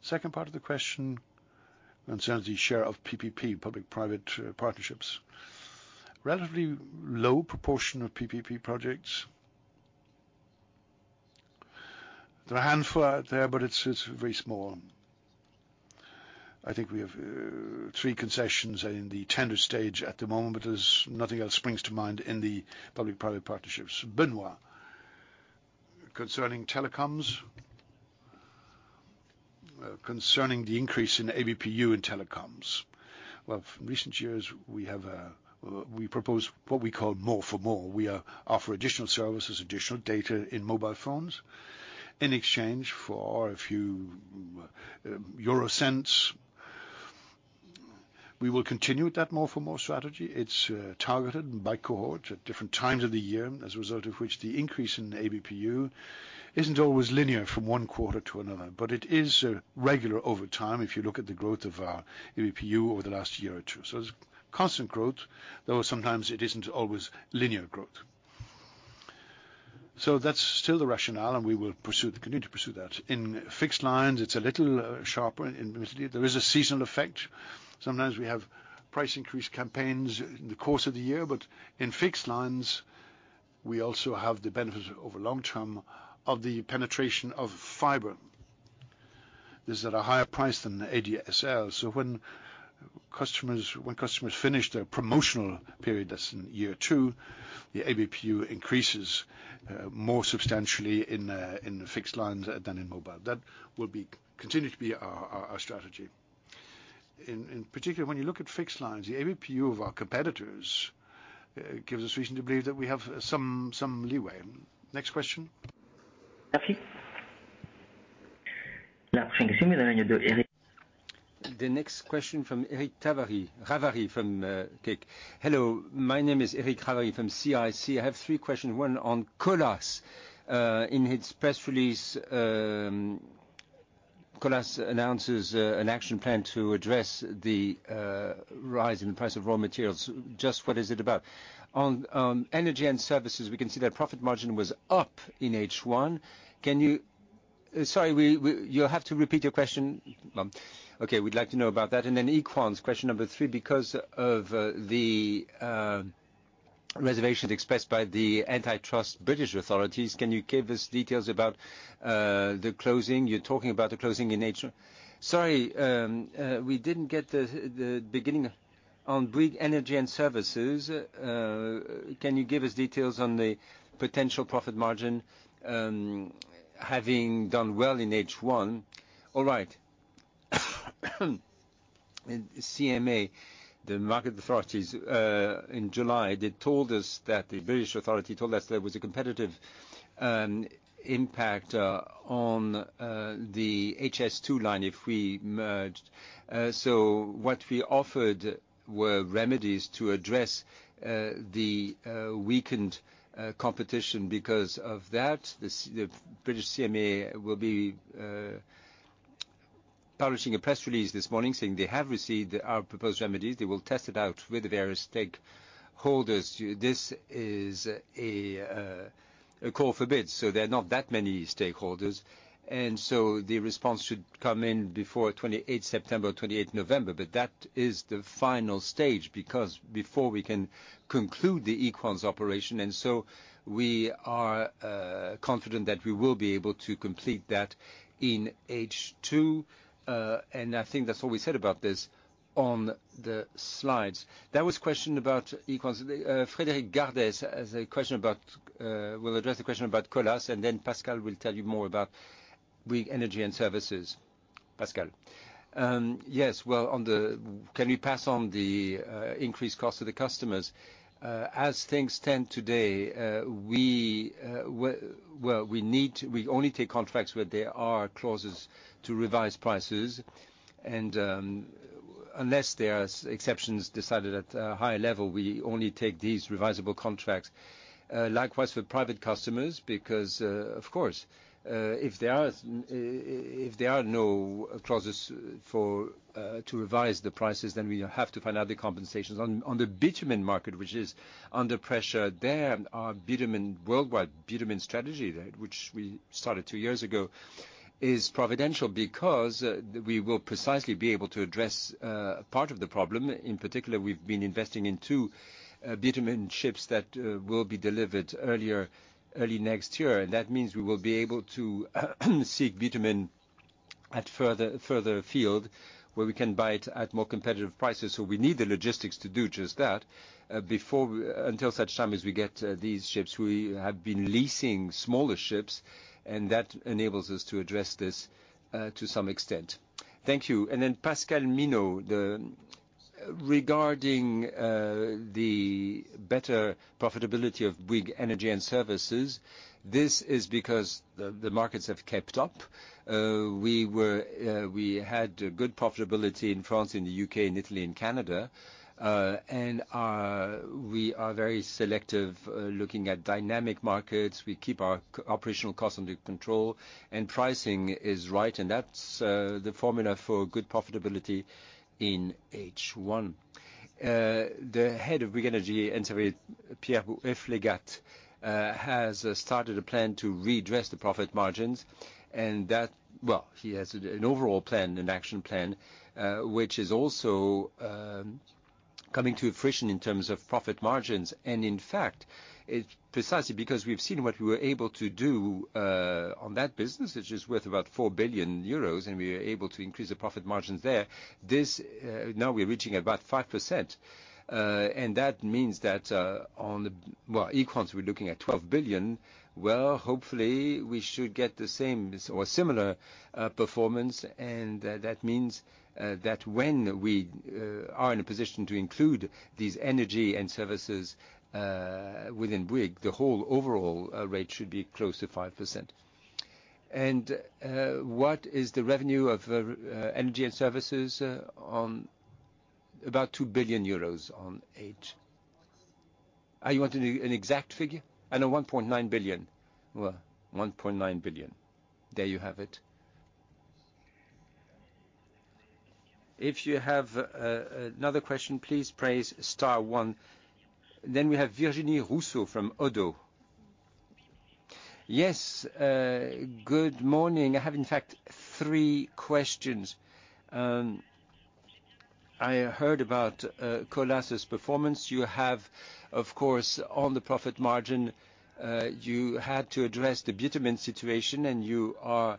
Second part of the question concerns the share of PPP, public-private partnerships. Relatively low proportion of PPP projects. There are a handful out there, but it's very small. I think we have three concessions in the tender stage at the moment, but there's nothing else springs to mind in the public-private partnerships. Benoît. Concerning telecoms. Concerning the increase in ABPU in telecoms. Well, in recent years, we propose what we call more for more. We offer additional services, additional data in mobile phones in exchange for a few euro cents. We will continue that more for more strategy. It's targeted by cohort at different times of the year, as a result of which, the increase in ABPU isn't always linear from one quarter to another. It is regular over time if you look at the growth of our ABPU over the last year or two. It's constant growth, though sometimes it isn't always linear growth. That's still the rationale, and we will continue to pursue that. In fixed lines, it's a little sharper. There is a seasonal effect. Sometimes we have price increase campaigns in the course of the year, but in fixed lines, we also have the benefits over the long term of the penetration of fiber. These are at a higher price than ADSL. When customers finish their promotional period, that's in year two, the ABPU increases more substantially in the fixed lines than in mobile. That will continue to be our strategy. In particular, when you look at fixed lines, the ABPU of our competitors gives us reason to believe that we have some leeway. Next question. Merci. The next question from Eric Ravary from CIC. Hello, my name is Eric Ravary from CIC. I have three questions, one on Colas. In its press release, Colas announces an action plan to address the rise in the price of raw materials. Just what is it about? On Energies & Services, we can see their profit margin was up in H1. Can you... Sorry, we... You'll have to repeat your question. Okay, we'd like to know about that. Then Equans, question number three, because of the reservations expressed by the antitrust British authorities, can you give us details about the closing? You're talking about the closing in H1... Sorry, we didn't get the beginning. On Bouygues Energies & Services, can you give us details on the potential profit margin, having done well in H1? All right. CMA, the market authorities, in July, they told us the British authority told us there was a competitive impact on the HS2 line if we merged. What we offered were remedies to address the weakened competition. Because of that, the British CMA will be publishing a press release this morning saying they have received our proposed remedies. They will test it out with the various stakeholders. This is a call for bids, so there are not that many stakeholders. The response should come in before September 28th or November 28th, but that is the final stage because before we can conclude the Equans operation, we are confident that we will be able to complete that in H2. I think that's all we said about this on the slides. That was question about Equans. Frédéric Gardès has a question about, will address the question about Colas, and then Pascal will tell you more about Bouygues Energies & Services. Pascal. Yes. Well, Can we pass on the increased cost to the customers? As things stand today, well, we only take contracts where there are clauses to revise prices. Unless there are exceptions decided at a higher level, we only take these revisable contracts. Likewise for private customers because, of course, if there are no clauses to revise the prices, then we have to find other compensations. On the bitumen market, which is under pressure, our worldwide bitumen strategy which we started two years ago is providential because we will precisely be able to address part of the problem. In particular, we've been investing in two bitumen ships that will be delivered early next year. That means we will be able to seek bitumen further afield where we can buy it at more competitive prices. We need the logistics to do just that. Until such time as we get these ships, we have been leasing smaller ships, and that enables us to address this to some extent. Thank you. Pascal Minault, regarding the better profitability of Bouygues Energies & Services, this is because the markets have kept up. We had good profitability in France, in the U.K., in Italy, and Canada. We are very selective looking at dynamic markets. We keep our operational costs under control, and pricing is right, and that's the formula for good profitability in H1. The head of Bouygues Energies & Services, Pierre-Yves Legat, has started a plan to address the profit margins. He has an overall plan, an action plan, which is also coming to fruition in terms of profit margins. In fact, it's precisely because we've seen what we were able to do on that business, which is worth about 4 billion euros, and we are able to increase the profit margins there. Now we're reaching about 5%. That means that on Equans, we're looking at 12 billion. Well, hopefully, we should get the same or similar performance. That means that when we are in a position to include these Energies & Services within Bouygues, the whole overall rate should be close to 5%. What is the revenue of Energies & Services? About 2 billion euros. Oh, you want an exact figure? I know 1.9 billion. There you have it. If you have another question, please press star one. We have Virginie Rousseau from Oddo. Yes. Good morning. I have, in fact, three questions. I heard about Colas' performance. You have, of course, on the profit margin, you had to address the bitumen situation, and you are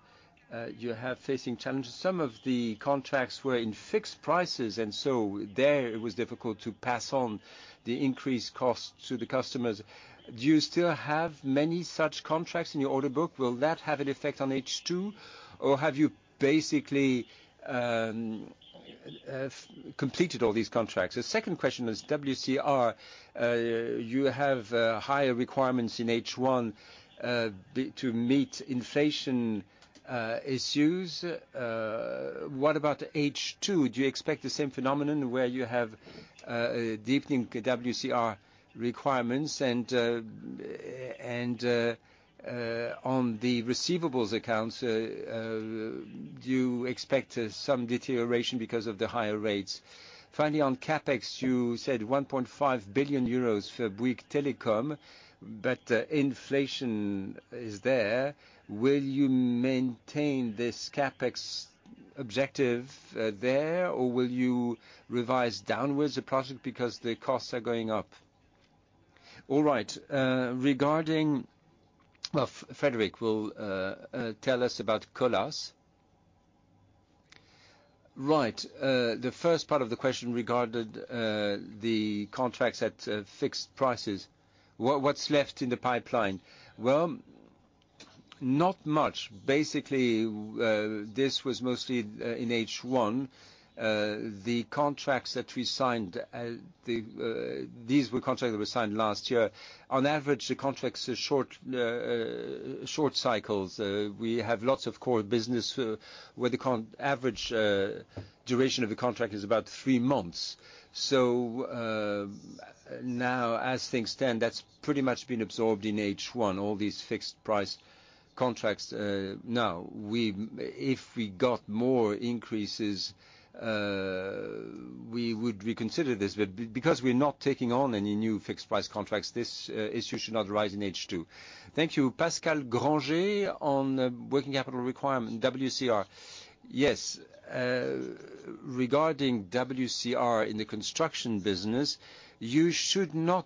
facing challenges. Some of the contracts were in fixed prices, and so there it was difficult to pass on the increased cost to the customers. Do you still have many such contracts in your order book? Will that have an effect on H2, or have you basically completed all these contracts? The second question is WCR. You have higher requirements in H1 to meet inflation issues. What about H2? Do you expect the same phenomenon where you have a deepening WCR requirements? On the receivables accounts, do you expect some deterioration because of the higher rates? Finally, on CapEx, you said 1.5 billion euros for Bouygues Telecom, but inflation is there. Will you maintain this CapEx objective, or will you revise downwards the project because the costs are going up? All right. Regarding... Well, Frédéric will tell us about Colas. Right. The first part of the question regarded the contracts at fixed prices. What's left in the pipeline? Well, not much. Basically, this was mostly in H1. The contracts that we signed, these were contracts that were signed last year. On average, the contracts are short cycles. We have lots of core business, where the average duration of the contract is about three months. Now as things stand, that's pretty much been absorbed in H1, all these fixed price contracts. Now, if we got more increases, we would reconsider this. Because we're not taking on any new fixed price contracts, this issue should not arise in H2. Thank you. Pascal Grangé on working capital requirement, WCR. Yes. Regarding WCR in the construction business, you should not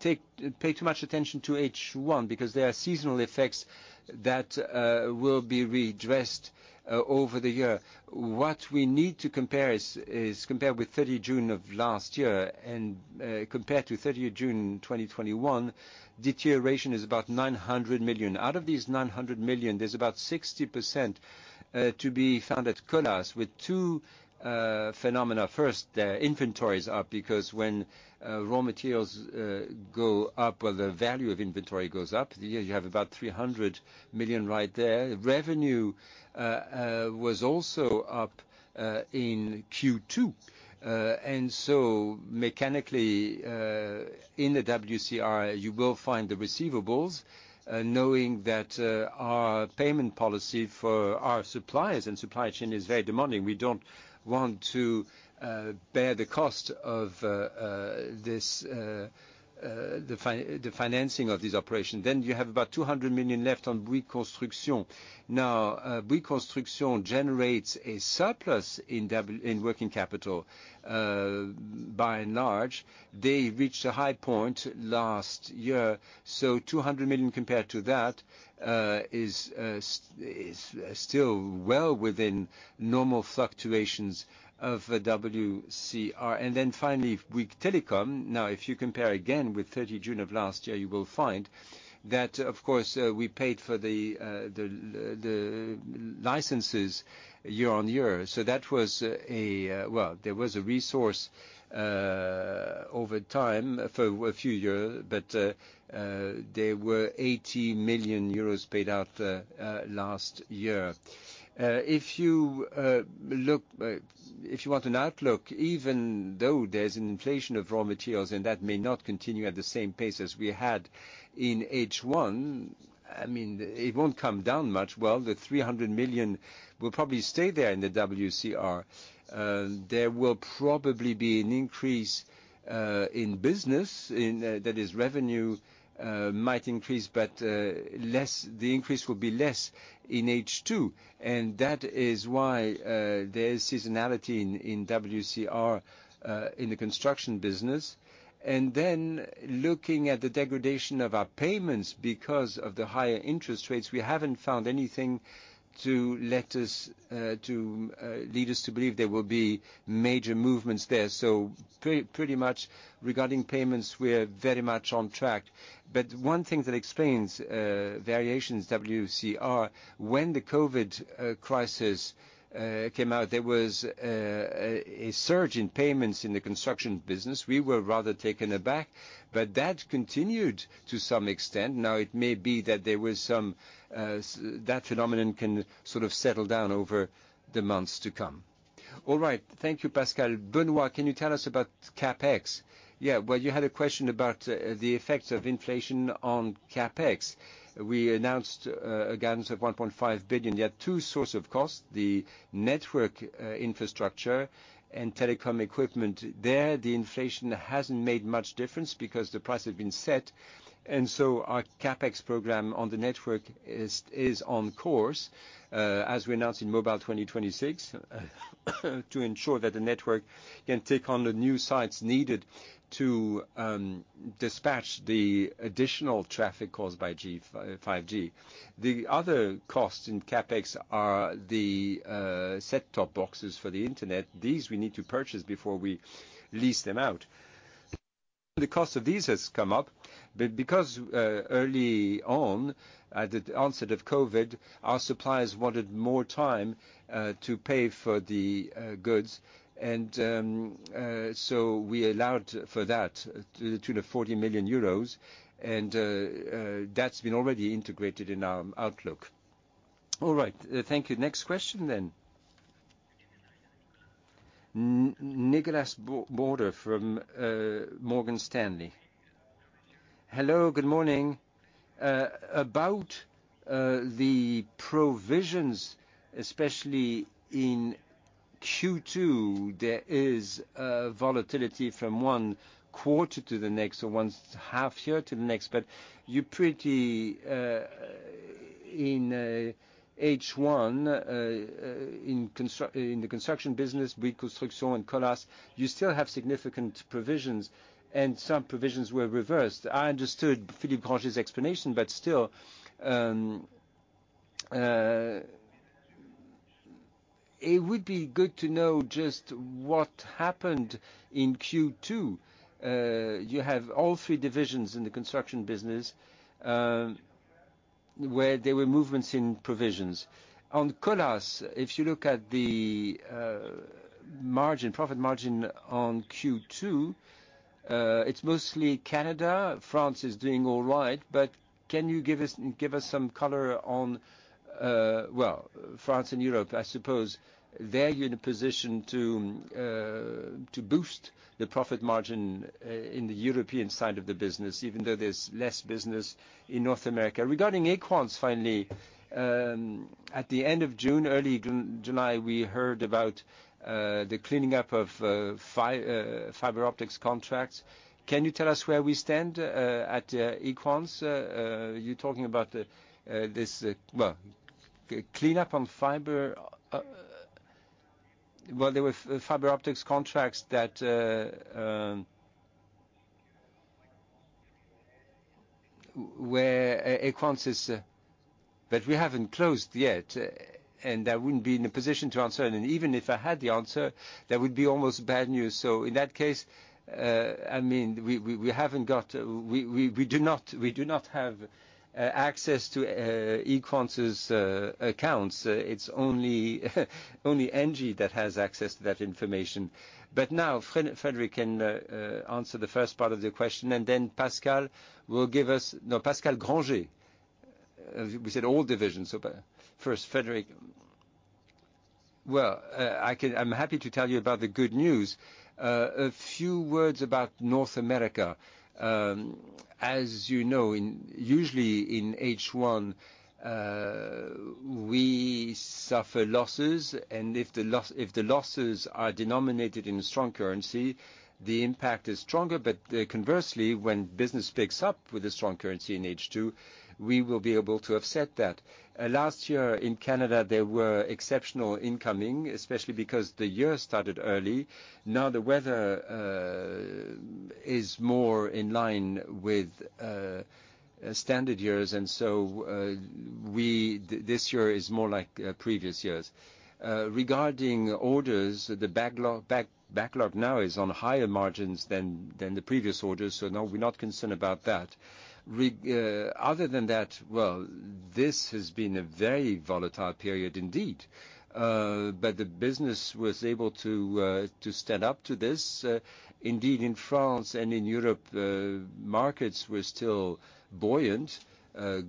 pay too much attention to H1 because there are seasonal effects that will be redressed over the year. What we need to compare is compare with June 30 of last year, and compared to June 30, 2021, deterioration is about 900 million. Out of these 900 million, there's about 60% to be found at Colas with two phenomena. First, their inventories are up because when raw materials go up or the value of inventory goes up, you have about 300 million right there. Revenue was also up in Q2. Mechanically, in the WCR, you will find the receivables, knowing that our payment policy for our suppliers and supply chain is very demanding. We don't want to bear the cost of this, the financing of this operation. You have about 200 million left on Bouygues Construction. Now, Bouygues Construction generates a surplus in working capital. By and large, they reached a high point last year, so 200 million compared to that is still well within normal fluctuations of the WCR. Then finally, Bouygues Telecom. Now, if you compare again with June 30, of last year, you will find that, of course, we paid for the licenses year on year. That was a. Well, there was a resource over time for a few year, but there were 80 million euros paid out last year. If you want an outlook, even though there's an inflation of raw materials, and that may not continue at the same pace as we had in H1, I mean, it won't come down much. Well, the 300 million will probably stay there in the WCR. There will probably be an increase in business, that is revenue, might increase, but the increase will be less in H2, and that is why there is seasonality in WCR in the construction business. Then looking at the degradation of our payments because of the higher interest rates, we haven't found anything to let us lead us to believe there will be major movements there. Pretty much regarding payments, we're very much on track. One thing that explains variations WCR, when the COVID crisis came out, there was a surge in payments in the construction business. We were rather taken aback, but that continued to some extent. Now it may be that there was some. That phenomenon can sort of settle down over the months to come. All right. Thank you, Pascal. Benoît, can you tell us about CapEx? Yeah. Well, you had a question about the effects of inflation on CapEx. We announced a guidance of 1.5 billion. You had two sources of costs, the network infrastructure and telecom equipment. There, the inflation hasn't made much difference because the price has been set. Our CapEx program on the network is on course as we announced in Ambition 2026, to ensure that the network can take on the new sites needed to dispatch the additional traffic caused by 5G. The other costs in CapEx are the set-top boxes for the internet. These we need to purchase before we lease them out. The cost of these has come up, but because early on, at the onset of COVID, our suppliers wanted more time to pay for the goods, and so we allowed for that, up to 40 million euros, and that's been already integrated in our outlook. All right. Thank you. Next question. Nicolas Bordeaux from Morgan Stanley. Hello, good morning. About the provisions, especially in Q2, there is volatility from one quarter to the next or one half year to the next, but in H1, in the construction business, Bouygues Construction and Colas, you still have significant provisions, and some provisions were reversed. I understood Pascal Grangé's explanation, but still, it would be good to know just what happened in Q2. You have all three divisions in the construction business, where there were movements in provisions. On Colas, if you look at the margin, profit margin on Q2, it's mostly Canada. France is doing all right, but can you give us some color on, well, France and Europe? I suppose there you're in a position to boost the profit margin in the European side of the business, even though there's less business in North America. Regarding Equans finally, at the end of June, early July, we heard about the cleaning up of fiber optics contracts. Can you tell us where we stand at Equans? You're talking about this, well, cleanup on fiber. Well, there were fiber optics contracts that where Equans is... That we haven't closed yet, and I wouldn't be in a position to answer. Even if I had the answer, that would be almost bad news. In that case, I mean, we do not have access to Equans' accounts. It's only Engie that has access to that information. Now, Frédéric can answer the first part of the question, and then Pascal will give us. No, Pascal Grangé. We said all divisions, first Frédéric. I'm happy to tell you about the good news. A few words about North America. As you know, usually in H1, we suffer losses, and if the losses are denominated in a strong currency, the impact is stronger. Conversely, when business picks up with a strong currency in H2, we will be able to offset that. Last year in Canada, there were exceptional income, especially because the year started early. Now the weather is more in line with standard years and so, this year is more like previous years. Regarding orders, the backlog now is on higher margins than the previous orders, so no, we're not concerned about that. Other than that, well, this has been a very volatile period indeed. The business was able to stand up to this. Indeed in France and in Europe, markets were still buoyant,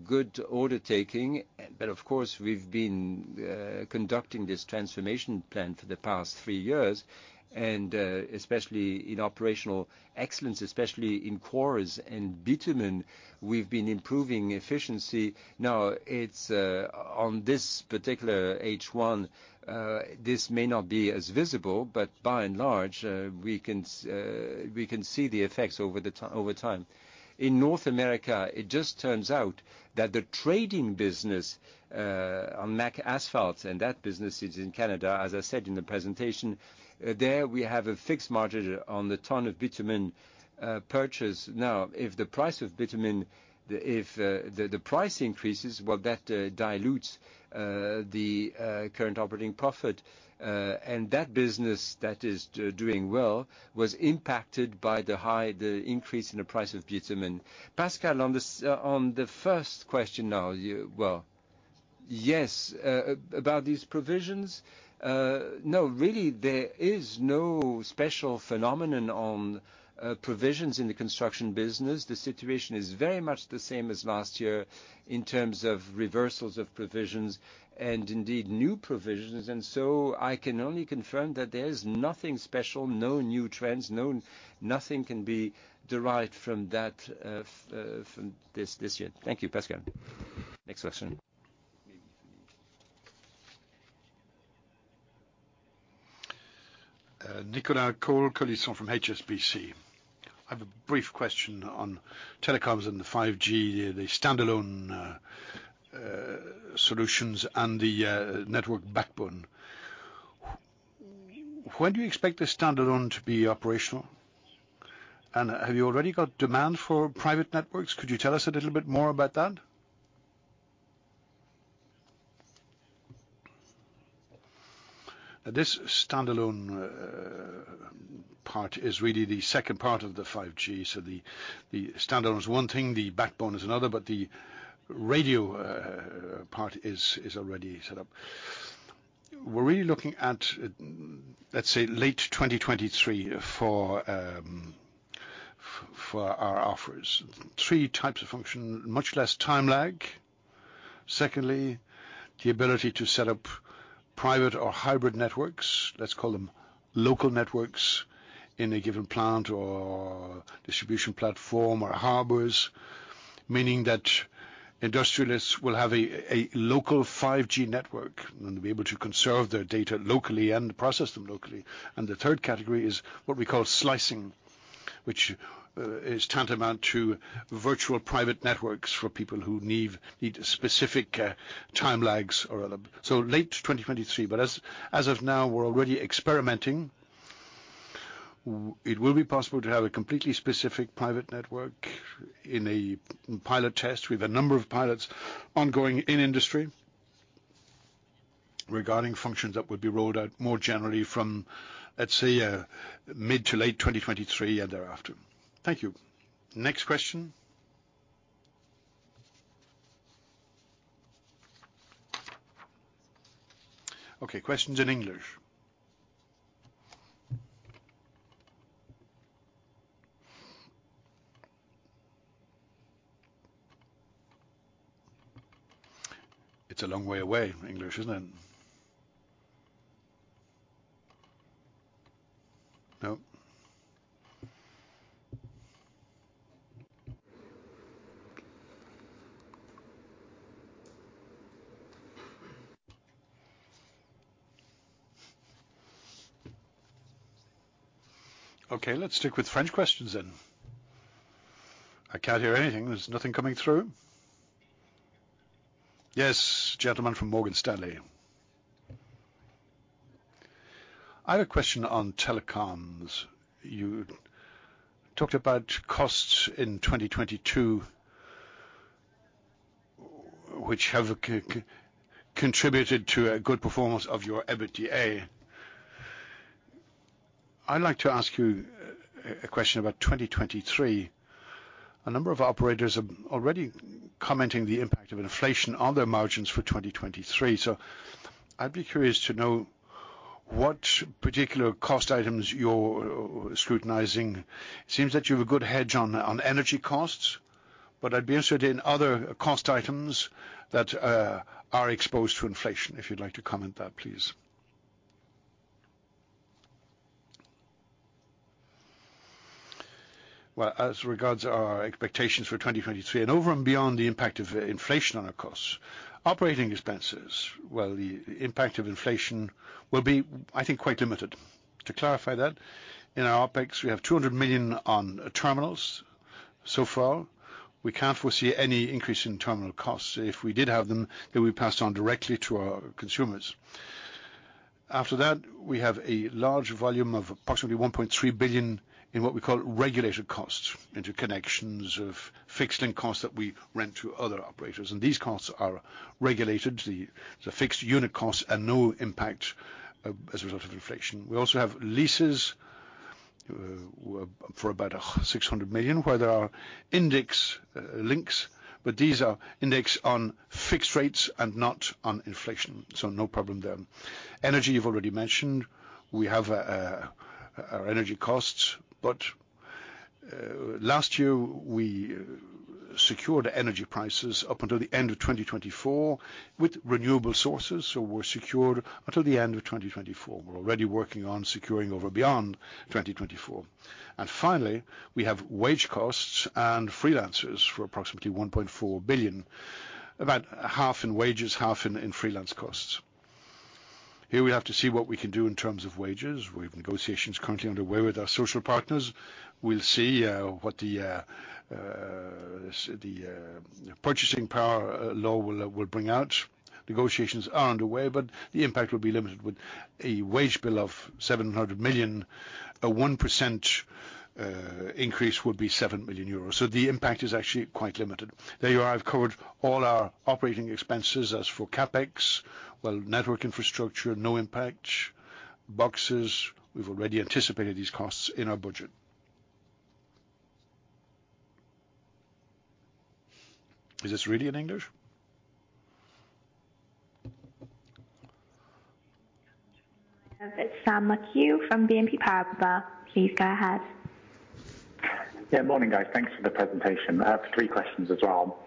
good order intake. Of course, we've been conducting this transformation plan for the past three years. Especially in operational excellence, especially in quarries and bitumen, we've been improving efficiency. Now, it's on this particular H1, this may not be as visible, but by and large, we can see the effects over time. In North America, it just turns out that the trading business on McAsphalt, and that business is in Canada, as I said in the presentation, there we have a fixed margin on the ton of bitumen purchase. Now, if the price of bitumen, if the price increases, well, that dilutes the current operating profit. That business that is doing well was impacted by the increase in the price of bitumen. Pascal, on the first question now, you. Well- Yes. About these provisions, no, really there is no special phenomenon on provisions in the construction business. The situation is very much the same as last year in terms of reversals of provisions, and indeed new provisions. I can only confirm that there is nothing special, no new trends, nothing can be derived from that, from this year. Thank you, Pascal. Next question. Nicolas Cote-Colisson from HSBC. I have a brief question on telecoms and the 5G, the standalone solutions and the network backbone. When do you expect the standalone to be operational? And have you already got demand for private networks? Could you tell us a little bit more about that? This standalone part is really the second part of the 5G. So the standalone is one thing, the backbone is another, but the radio part is already set up. We're really looking at, let's say, late 2023 for our offers. Three types of function, much less time lag. Secondly, the ability to set up private or hybrid networks, let's call them local networks in a given plant or distribution platform or harbors, meaning that industrialists will have a local 5G network and be able to conserve their data locally and process them locally. The third category is what we call slicing, which is tantamount to virtual private networks for people who need specific time lags or other. Late 2023. As of now, we're already experimenting. It will be possible to have a completely specific private network in a pilot test. We have a number of pilots ongoing in industry regarding functions that would be rolled out more generally from, let's say, mid- to late 2023 and thereafter. Thank you. Next question. Okay, questions in English. It's a long way away, English, isn't it? No. Okay, let's stick with French questions then. I can't hear anything. There's nothing coming through. Yes, gentleman from Morgan Stanley. I have a question on telecoms. You talked about costs in 2022, which have contributed to a good performance of your EBITDA. I'd like to ask you a question about 2023. A number of operators are already commenting on the impact of inflation on their margins for 2023, so I'd be curious to know what particular cost items you're scrutinizing. Seems that you have a good hedge on energy costs, but I'd be interested in other cost items that are exposed to inflation, if you'd like to comment on that, please. Well, as regards our expectations for 2023 and over and beyond the impact of inflation on our costs, operating expenses, the impact of inflation will be, I think, quite limited. To clarify that, in our OpEx, we have 200 million on terminals. So far, we can't foresee any increase in terminal costs. If we did have them, they would be passed on directly to our consumers. After that, we have a large volume of approximately 1.3 billion in what we call regulated costs, into connections of fixed line costs that we rent to other operators, and these costs are regulated. The fixed unit costs and no impact as a result of inflation. We also have leases for about 600 million, where there are index links, but these are indexed on fixed rates and not on inflation, so no problem there. Energy, you've already mentioned. We have our energy costs. But last year, we secured energy prices up until the end of 2024 with renewable sources, so we're secured until the end of 2024. We're already working on securing over beyond 2024. Finally, we have wage costs and freelancers for approximately 1.4 billion, about half in wages, half in freelance costs. Here we have to see what we can do in terms of wages. We have negotiations currently underway with our social partners. We'll see what the purchasing power law will bring out. Negotiations are underway, but the impact will be limited. With a wage bill of 700 million, a 1% increase would be 7 million euros. So the impact is actually quite limited. There you are. I've covered all our operating expenses. As for CapEx, well, network infrastructure, no impact. Boxes, we've already anticipated these costs in our budget. Is this really in English? It's Sam McHugh from BNP Paribas. Please go ahead. Yeah, morning, guys. Thanks for the presentation. I have three questions as well.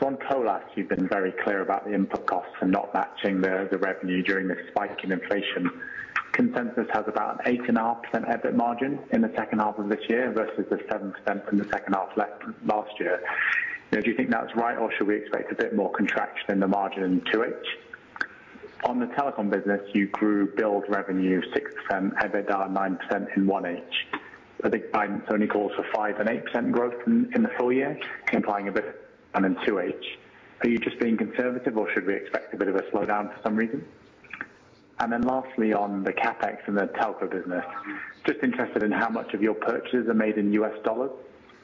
On Colas, you've been very clear about the input costs and not matching the revenue during this spike in inflation. Consensus has about 8.5% EBIT margin in the second half of this year versus the 7% from the second half last year. Now, do you think that's right, or should we expect a bit more contraction in the margin in 2H? On the telecom business, you grew build revenue 6%, EBIT down 9% in 1H. I think guidance only calls for 5% and 8% growth in the full year, implying a bit less in 2H. Are you just being conservative, or should we expect a bit of a slowdown for some reason? Lastly, on the CapEx and the telco business, just interested in how much of your purchases are made in U.S. dollars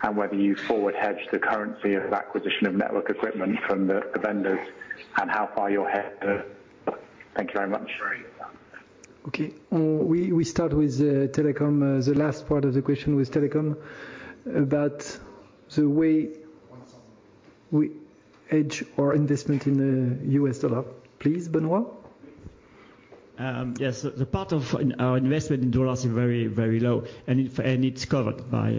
and whether you forward hedge the currency of acquisition of network equipment from the vendors and how far you're hedged. Thank you very much. Okay. We start with telecom. The last part of the question was telecom, about the way we hedge our investment in the US dollar, please, Benoît. Yes. The part of our investment in dollars is very, very low, and it, and it's covered by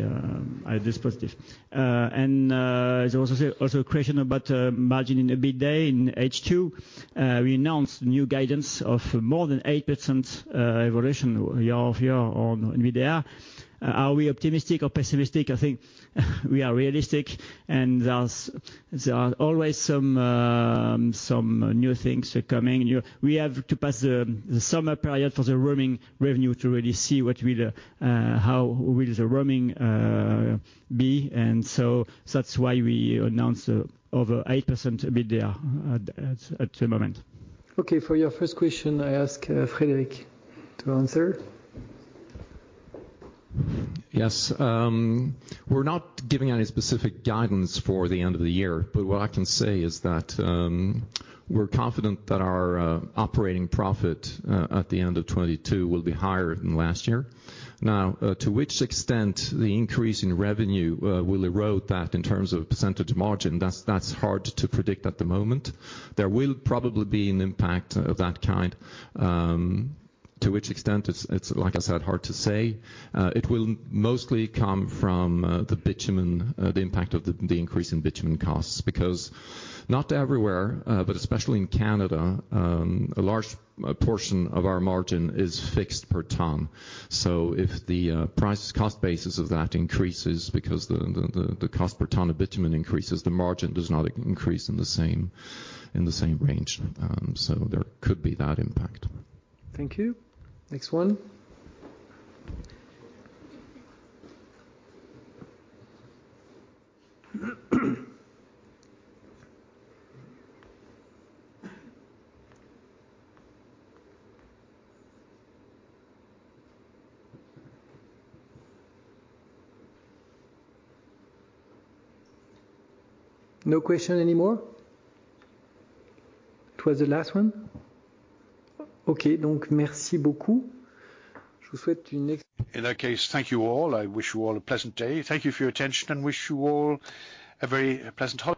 this positive. There was also a question about margin in EBITDA in H2. We announced new guidance of more than 8% evolution year-over-year on EBITDA. Are we optimistic or pessimistic? I think we are realistic and there are always some new things coming. We have to pass the summer period for the roaming revenue to really see what will how will the roaming be. That's why we announce over 8% EBITDA at the moment. Okay. For your first question, I ask, Frédéric to answer. Yes. We're not giving any specific guidance for the end of the year, but what I can say is that we're confident that our operating profit at the end of 2022 will be higher than last year. Now, to which extent the increase in revenue will erode that in terms of percentage margin, that's hard to predict at the moment. There will probably be an impact of that kind. To which extent, it's, like I said, hard to say. It will mostly come from the bitumen, the impact of the increase in bitumen costs, because not everywhere, but especially in Canada, a large portion of our margin is fixed per ton. If the price cost basis of that increases because the cost per ton of bitumen increases, the margin does not increase in the same range. There could be that impact. Thank you. Next one. No question anymore? It was the last one? Okay. Donc merci beaucoup. In that case, thank you all. I wish you all a pleasant day. Thank you for your attention, and wish you all a very pleasant holiday.